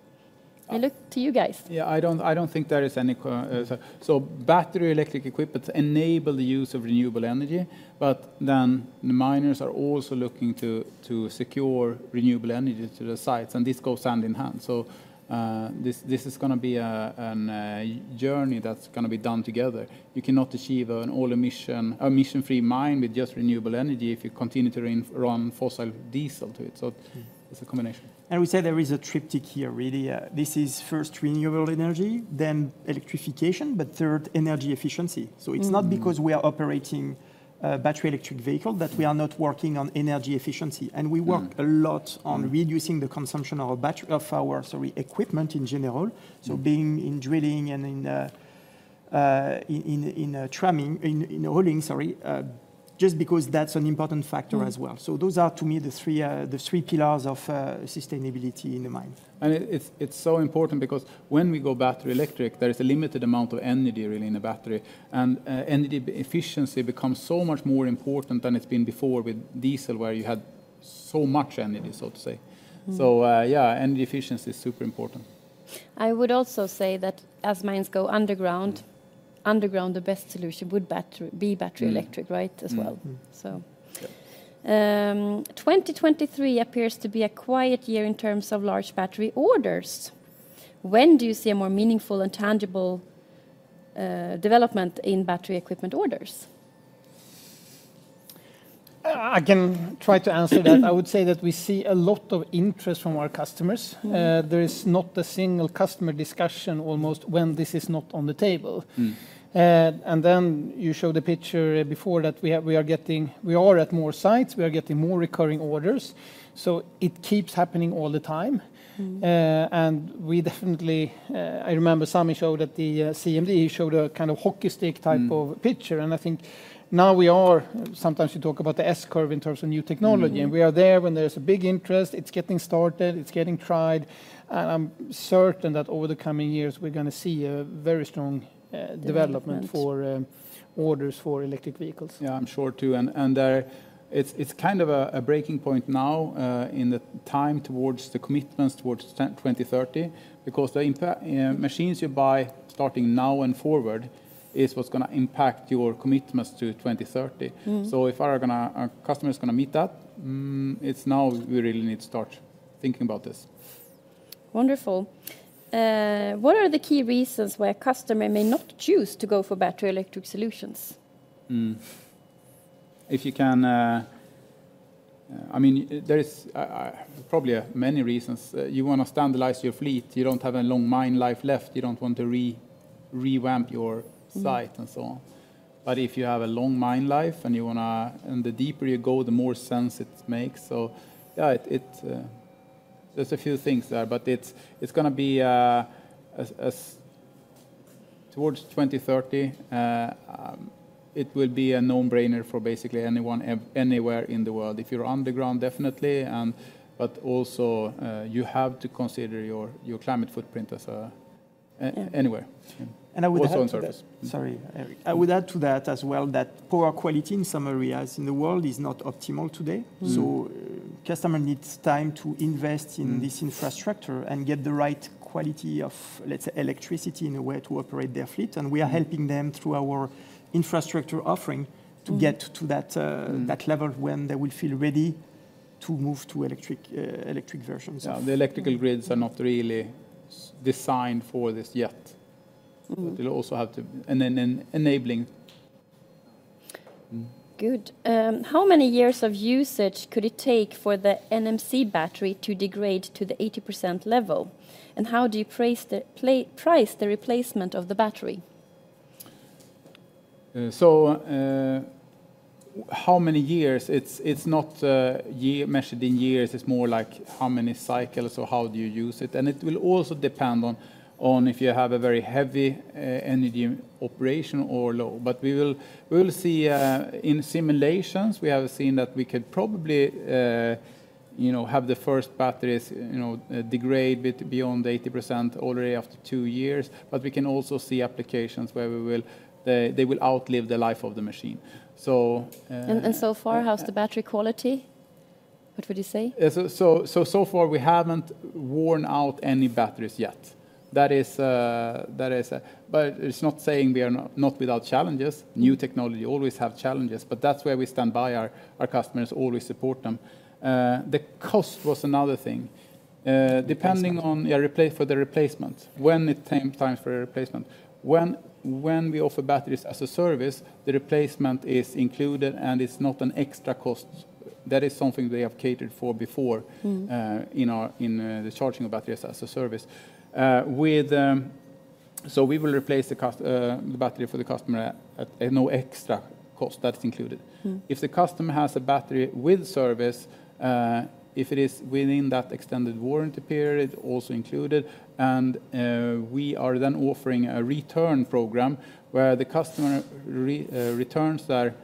B: I look to you guys.
C: Yeah, I don't think there is any co-. So battery electric equipment enable the use of renewable energy, but then the miners are also looking to secure renewable energy to the sites, and this goes hand in hand. So, this is gonna be a journey that's gonna be done together. You cannot achieve an emission-free mine with just renewable energy if you continue to run fossil diesel to it, so-
D: Mm...
C: it's a combination.
D: We say there is a triptych here, really. This is first renewable energy, then electrification, but third, energy efficiency.
B: Mm.
D: It's not because we are operating a battery electric vehicle that we are not working on energy efficiency.
C: Mm.
D: And we work a lot-
C: Mm...
D: on reducing the consumption of our battery, of our, sorry, equipment in general-
C: Mm...
D: so being in drilling and in tramming, in hauling, sorry, just because that's an important factor as well.
B: Mm.
D: Those are, to me, the three pillars of sustainability in the mine.
C: It's so important because when we go battery electric, there is a limited amount of energy really in a battery, and the efficiency becomes so much more important than it's been before with diesel, where you had so much energy, so to say.
B: Mm.
C: Yeah, energy efficiency is super important.
B: I would also say that as mines go underground, the best solution would be battery electric.
C: Mm...
B: right, as well?
C: Mm, mm.
B: So.
C: Yeah.
B: 2023 appears to be a quiet year in terms of large battery orders. When do you see a more meaningful and tangible development in battery equipment orders?
C: I can try to answer that. I would say that we see a lot of interest from our customers.
B: Mm.
C: There is not a single customer discussion almost when this is not on the table.
D: Mm.
C: Then you showed the picture before that we are getting more sites. We are getting more recurring orders, so it keeps happening all the time.
B: Mm.
C: and we definitely, I remember Sami showed at the CMD a kind of hockey stick type-
D: Mm...
C: of picture, and I think now sometimes you talk about the S curve in terms of new technology.
D: Mm.
C: We are there when there's a big interest. It's getting started. It's getting tried, and I'm certain that over the coming years, we're gonna see a very strong,
B: Development...
C: development for, orders for electric vehicles.
D: Mm.
C: Yeah, I'm sure, too, and it's kind of a breaking point now in the time towards the commitments towards 2030, because the machines you buy starting now and forward is what's gonna impact your commitments to 2030.
B: Mm.
C: So if our customer's gonna meet that, it's now we really need to start thinking about this.
B: Wonderful. What are the key reasons why a customer may not choose to go for battery electric solutions?
C: If you can, I mean, there is probably many reasons. You want to standardize your fleet. You don't have a long mine life left. You don't want to revamp your site-
B: Mm...
C: and so on. But if you have a long mine life, and you wanna... And the deeper you go, the more sense it makes, so yeah, it... There's a few things there, but it's gonna be, as towards 2030, it will be a no-brainer for basically anyone ev- anywhere in the world. If you're underground, definitely, but also, you have to consider your climate footprint as a-
B: Yeah...
C: a, anywhere.
D: And I would add-
C: Also on surface.
D: Sorry, Erik. I would add to that as well, that poor quality in some areas in the world is not optimal today.
B: Mm.
D: Customer needs time to invest in this infrastructure-
C: Mm...
D: and get the right quality of, let's say, electricity in a way to operate their fleet.
C: Mm.
D: We are helping them through our infrastructure offering-
B: Mm...
D: to get to that,
C: Mm...
D: that level when they will feel ready to move to electric, electric versions.
C: Yeah, the electrical grids are not really designed for this yet... It will also have to, and then enabling.
B: Good. How many years of usage could it take for the NMC battery to degrade to the 80% level? And how do you price the replacement of the battery?
C: So, how many years? It's not year-measured in years, it's more like how many cycles or how do you use it, and it will also depend on if you have a very heavy energy operation or low. But we will see, in simulations, we have seen that we could probably, you know, have the first batteries, you know, degrade bit beyond 80% already after two years, but we can also see applications where they will outlive the life of the machine. So,
B: So far, how's the battery quality? What would you say?
C: Yeah, so far we haven't worn out any batteries yet. That is... But it's not saying we are not without challenges.
B: Mm.
C: New technology always have challenges, but that's where we stand by our customers, always support them. The cost was another thing.
B: Replacement.
C: Depending on, yeah, for the replacement, when it came time for a replacement. When we offer batteries as a service, the replacement is included, and it's not an extra cost. That is something we have catered for before-
B: Mm...
C: in the charging of batteries as a service. With, we will replace the battery for the customer at no extra cost. That's included.
B: Mm.
C: If the customer has a battery with service, if it is within that extended warranty period, also included, and, we are then offering a return program where the customer returns their,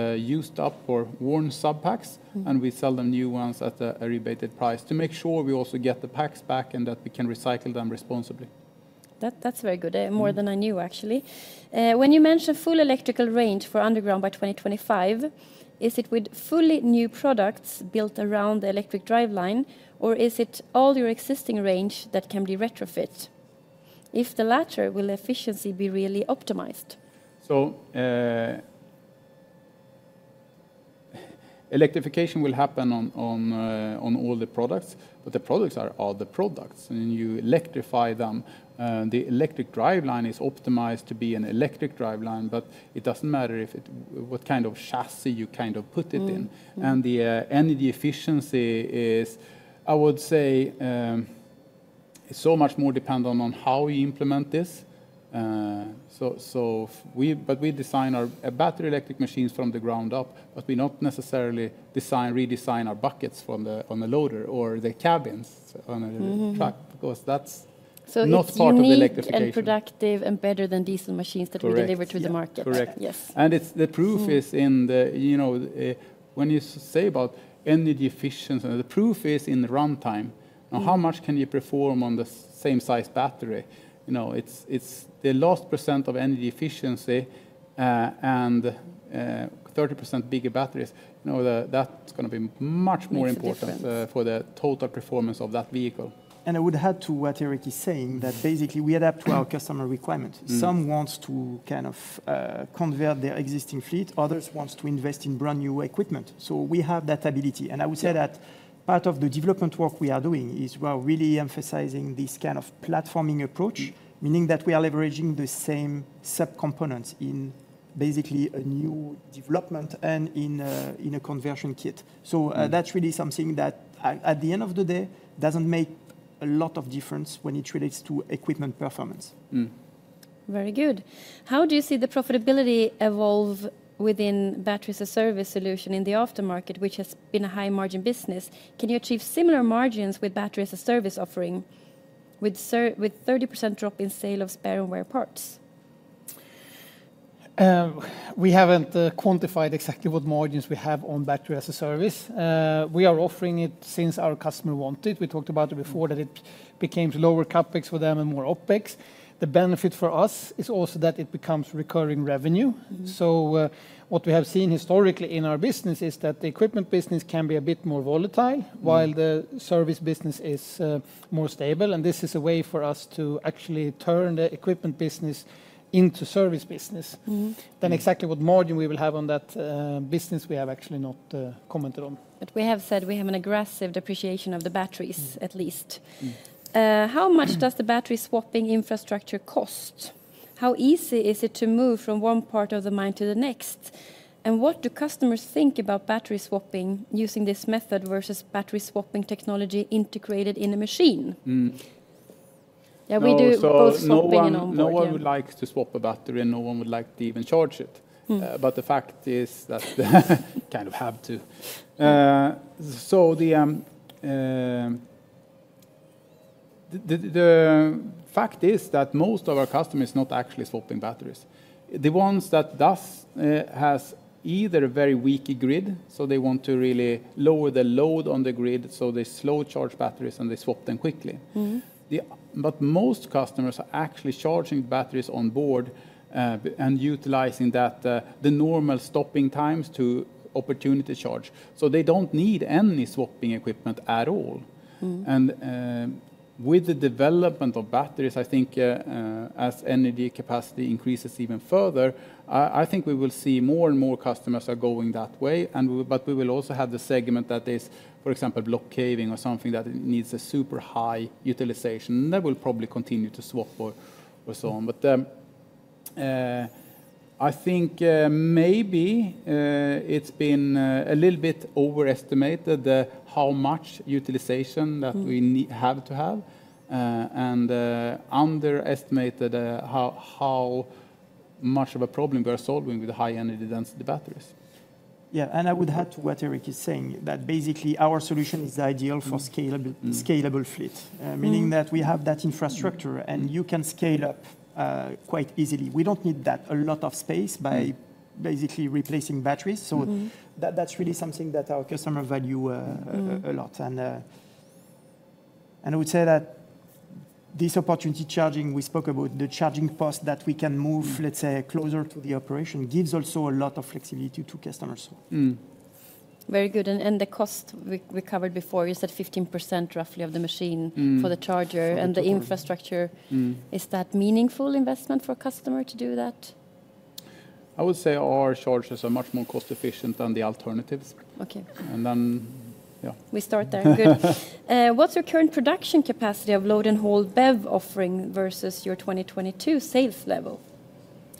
C: used up or worn sub-packs-
B: Mm...
C: and we sell them new ones at a rebated price to make sure we also get the packs back and that we can recycle them responsibly.
B: That, that's very good.
C: Mm.
B: More than I knew, actually. When you mention full electrical range for underground by 2025, is it with fully new products built around the electric driveline, or is it all your existing range that can be retrofit? If the latter, will efficiency be really optimized?
C: Electrification will happen on all the products, but the products are all the products. When you electrify them, the electric driveline is optimized to be an electric driveline, but it doesn't matter what kind of chassis you kind of put it in.
B: Mm, mm.
C: The energy efficiency is, I would say, so much more dependent on how we implement this. But we design our a battery electric machines from the ground up, but we not necessarily design, redesign our buckets on the loader or the cabins on a-
B: Mm-hmm...
C: truck, because that's not part of the electrification.
B: So unique, and productive, and better than diesel machines-
C: Correct...
B: that we deliver to the market.
C: Correct.
B: Yes.
C: And it's the proof is in the, you know, when you say about energy efficiency, the proof is in the runtime, on how much can you perform on the same size battery. You know, it's, it's the last percent of energy efficiency, and 30% bigger batteries, you know, that, that's gonna be much more important-
B: Makes a difference....
C: for the total performance of that vehicle.
D: I would add to what Erik is saying, that basically we adapt to our customer requirement.
C: Mm.
D: Some wants to kind of convert their existing fleet, others wants to invest in brand-new equipment, so we have that ability.
C: Yeah.
D: I would say that part of the development work we are doing is we are really emphasizing this kind of platforming approach-
C: Mm ...
D: meaning that we are leveraging the same sub-components in basically a new development and in a, in a conversion kit.
C: Mm.
D: That's really something that, at the end of the day, doesn't make a lot of difference when it relates to equipment performance.
C: Mm.
B: Very good. How do you see the profitability evolve within battery-as-a-service solution in the aftermarket, which has been a high-margin business? Can you achieve similar margins with battery-as-a-service offering, with 30% drop in sale of spare and wear parts? We haven't quantified exactly what margins we have on Battery as a Service. We are offering it since our customer want it. We talked about it before, that it became lower CapEx for them and more OpEx. The benefit for us is also that it becomes recurring revenue. Mm.
C: So, what we have seen historically in our business is that the equipment business can be a bit more volatile-
B: Mm...
C: while the service business is more stable, and this is a way for us to actually turn the equipment business into service business.
B: Mm-hmm.
C: Exactly what margin we will have on that business, we have actually not commented on.
B: We have said we have an aggressive depreciation of the batteries, at least.
C: Mm.
B: How much does the battery-swapping infrastructure cost? How easy is it to move from one part of the mine to the next? And what do customers think about battery swapping using this method versus battery-swapping technology integrated in a machine?
C: Mm.
B: Yeah, we do both swapping and on board, yeah.
C: No one, no one would like to swap a battery, and no one would like to even charge it.
B: Mm.
C: But the fact is that you kind of have to. So the fact is that most of our customers not actually swapping batteries. The ones that does has either a very weak grid, so they want to really lower the load on the grid, so they slow-charge batteries, and they swap them quickly.
B: Mm-hmm.
C: Most customers are actually charging batteries on board, and utilizing that, the normal stopping times to opportunity charge. So they don't need any swapping equipment at all.
B: Mm.
C: With the development of batteries, I think, as energy capacity increases even further, I think we will see more and more customers are going that way, and we, but we will also have the segment that is, for example, Block caving or something that needs a super high utilization, and they will probably continue to swap or so on. But,... I think, maybe, it's been a little bit overestimated how much utilization-
B: Mm.
C: that we have underestimated how much of a problem we are solving with the high-energy density batteries.
D: Yeah, and I would add to what Erik is saying, that basically our solution is ideal for scalable fleet.
B: Mm.
D: meaning that we have that infrastructure, and you can scale up, quite easily. We don't need that a lot of space-
B: Mm ...
D: by basically replacing batteries.
B: Mm-hmm.
D: That's really something that our customers value.
B: Mm...
D: a lot. And I would say that this opportunity charging we spoke about, the charging cost that we can move-
C: Mm...
D: let's say, closer to the operation, gives also a lot of flexibility to customers.
C: Mm.
B: Very good, and the cost we covered before, you said 15% roughly of the machine-
C: Mm...
B: for the charger-
C: For the charger....
B: and the infrastructure.
C: Mm.
B: Is that meaningful investment for a customer to do that?
C: I would say our chargers are much more cost-efficient than the alternatives.
B: Okay.
C: And then, yeah.
B: We start there, good. What's your current production capacity of load-and-haul BEV offering versus your 2022 sales level?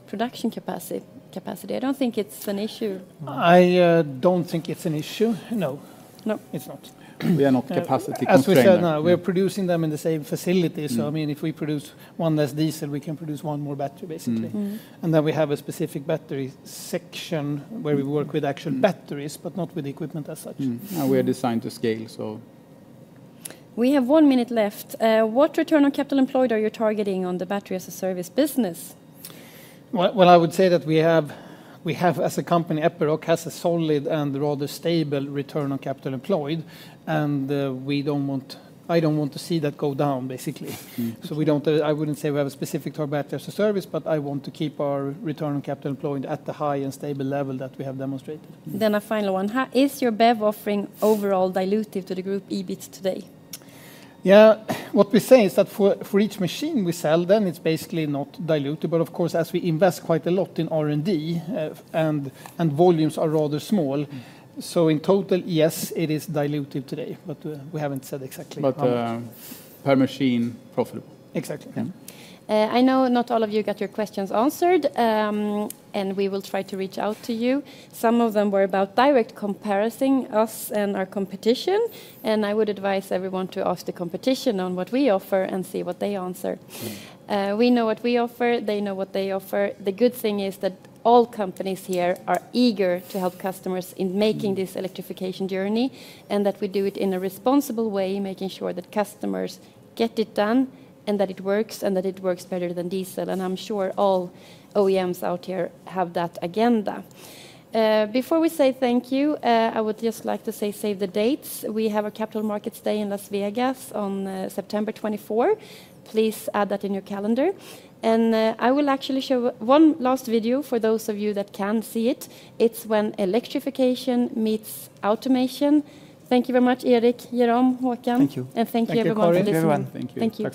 B: Production capacity, capacity. I don't think it's an issue.
E: I don't think it's an issue, no.
B: No.
E: It's not.
D: We are not capacity constrained.
E: As we said now, we are producing them in the same facility.
D: Mm.
E: I mean, if we produce one less diesel, we can produce one more battery, basically.
D: Mm.
B: Mm.
E: And then we have a specific battery section-
B: Mm...
E: where we work with actual batteries-
B: Mm...
E: but not with equipment as such.
D: We are designed to scale, so.
B: We have one minute left. What Return on Capital Employed are you targeting on the Batteries as a Service business?
E: Well, well, I would say that we have, we have as a company, Epiroc has a solid and rather stable return on capital employed, and we don't want... I don't want to see that go down, basically.
D: Mm.
E: We don't, I wouldn't say we have a specific target for Battery as a Service, but I want to keep our return on capital employed at the high and stable level that we have demonstrated.
B: A final one: How is your BEV offering overall dilutive to the group EBIT today?
E: Yeah, what we say is that for each machine we sell, then it's basically not dilutive. But of course, as we invest quite a lot in R&D, and volumes are rather small-
B: Mm...
E: so in total, yes, it is dilutive today, but, we haven't said exactly how much.
C: But, per machine, profitable.
E: Exactly.
C: Yeah.
B: I know not all of you got your questions answered, and we will try to reach out to you. Some of them were about direct comparison, us and our competition, and I would advise everyone to ask the competition on what we offer and see what they answer. We know what we offer. They know what they offer. The good thing is that all companies here are eager to help customers in making-
C: Mm...
B: this electrification journey, and that we do it in a responsible way, making sure that customers get it done, and that it works, and that it works better than diesel, and I'm sure all OEMs out here have that agenda. Before we say thank you, I would just like to say save the dates. We have a Capital Markets Day in Las Vegas on September 24. Please add that in your calendar. I will actually show one last video for those of you that can see it. It's when electrification meets automation. Thank you very much, Erik, Jérôme, Håkan.
E: Thank you.
B: Thank you, everyone, for listening.
D: Thank you,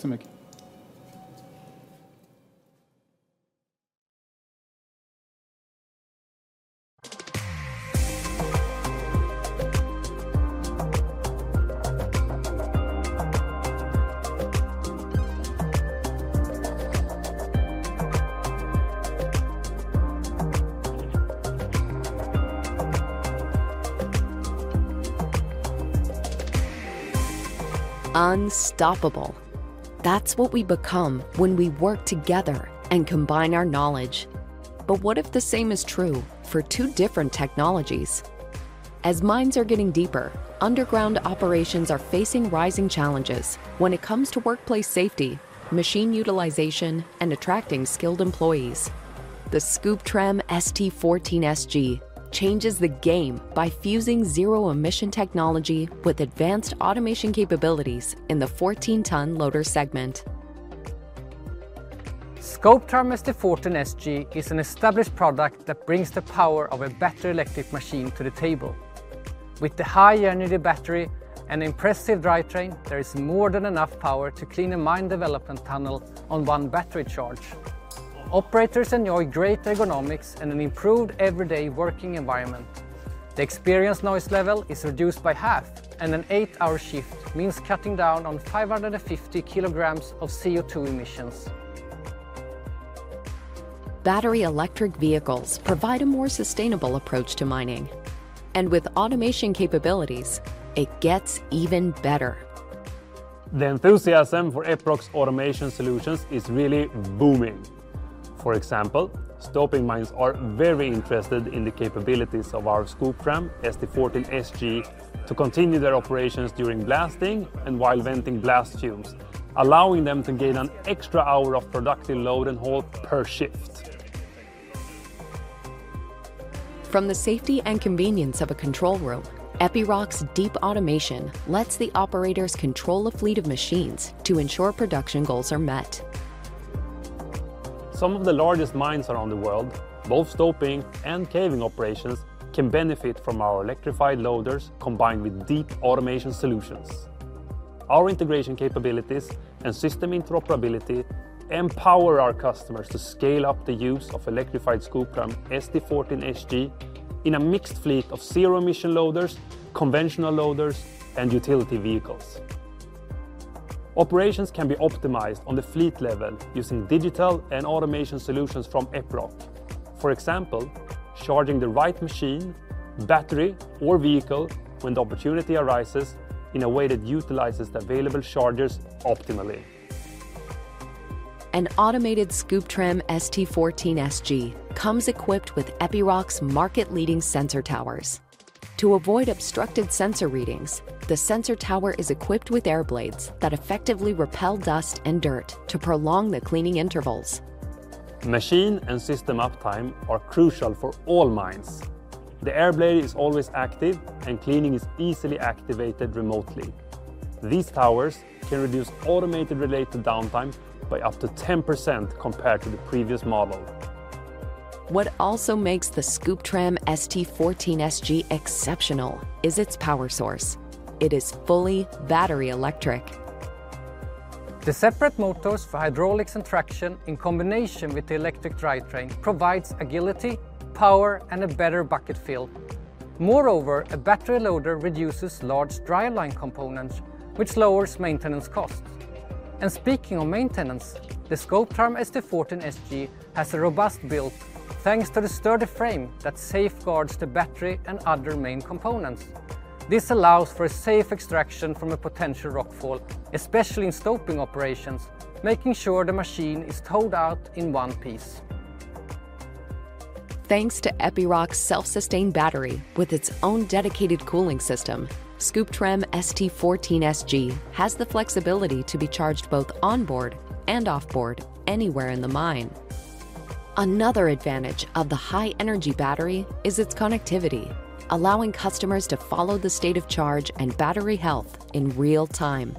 D: Karin.
C: Everyone, thank you.
B: Thank you.
D: Tack så mycket.
A: Unstoppable, that's what we become when we work together and combine our knowledge. But what if the same is true for two different technologies? As mines are getting deeper, underground operations are facing rising challenges when it comes to workplace safety, machine utilization, and attracting skilled employees. The Scooptram ST14 SG changes the game by fusing zero-emission technology with advanced automation capabilities in the 14-ton loader segment. Scooptram ST14 SG is an established product that brings the power of a battery-electric machine to the table. With the high-energy battery and impressive drivetrain, there is more than enough power to clean a mine development tunnel on one battery charge. Operators enjoy great ergonomics and an improved everyday working environment. The experienced noise level is reduced by half, and an eight-hour shift means cutting down on 550 kilograms of CO2 emissions. Battery electric vehicles provide a more sustainable approach to mining, and with automation capabilities, it gets even better.
B: The enthusiasm for Epiroc's automation solutions is really booming. For example, stoping mines are very interested in the capabilities of our Scooptram ST14 SG to continue their operations during blasting and while venting blast fumes, allowing them to gain an extra hour of productive load and haul per shift.
A: From the safety and convenience of a control room, Epiroc's deep automation lets the operators control a fleet of machines to ensure production goals are met.
C: Some of the largest mines around the world, both stoping and caving operations, can benefit from our electrified loaders combined with deep automation solutions. Our integration capabilities and system interoperability empower our customers to scale up the use of electrified Scooptram ST14 SG in a mixed fleet of zero-emission loaders, conventional loaders, and utility vehicles. ...
A: Operations can be optimized on the fleet level using digital and automation solutions from Epiroc. For example, charging the right machine, battery, or vehicle when the opportunity arises in a way that utilizes the available chargers optimally. An automated Scooptram ST14 SG comes equipped with Epiroc's market-leading sensor towers. To avoid obstructed sensor readings, the sensor tower is equipped with air blades that effectively repel dust and dirt to prolong the cleaning intervals. Machine and system uptime are crucial for all mines. The air blade is always active, and cleaning is easily activated remotely. These towers can reduce automated-related downtime by up to 10% compared to the previous model. What also makes the Scooptram ST14 SG exceptional is its power source. It is fully battery electric. The separate motors for hydraulics and traction, in combination with the electric drivetrain, provides agility, power, and a better bucket feel. Moreover, a battery loader reduces large driveline components, which lowers maintenance costs. Speaking of maintenance, the Scooptram ST14 SG has a robust build, thanks to the sturdy frame that safeguards the battery and other main components. This allows for a safe extraction from a potential rockfall, especially in stoping operations, making sure the machine is towed out in one piece. Thanks to Epiroc's self-sustained battery, with its own dedicated cooling system, Scooptram ST14 SG has the flexibility to be charged both on-board and off-board, anywhere in the mine. Another advantage of the high-energy battery is its connectivity, allowing customers to follow the state of charge and battery health in real time.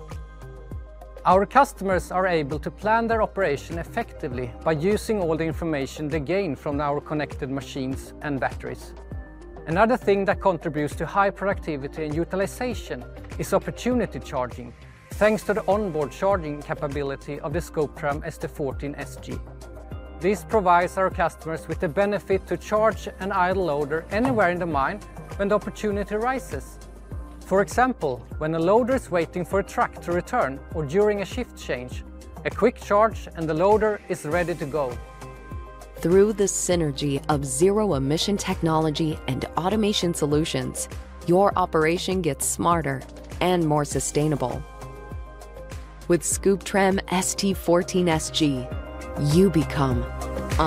A: Our customers are able to plan their operation effectively by using all the information they gain from our connected machines and batteries. Another thing that contributes to high productivity and utilization is opportunity charging, thanks to the on-board charging capability of the Scooptram ST14 SG. This provides our customers with the benefit to charge an idle loader anywhere in the mine when the opportunity arises. For example, when a loader is waiting for a truck to return or during a shift change, a quick charge, and the loader is ready to go. Through the synergy of zero-emission technology and automation solutions, your operation gets smarter and more sustainable. With Scooptram ST14 SG, you become unlimited.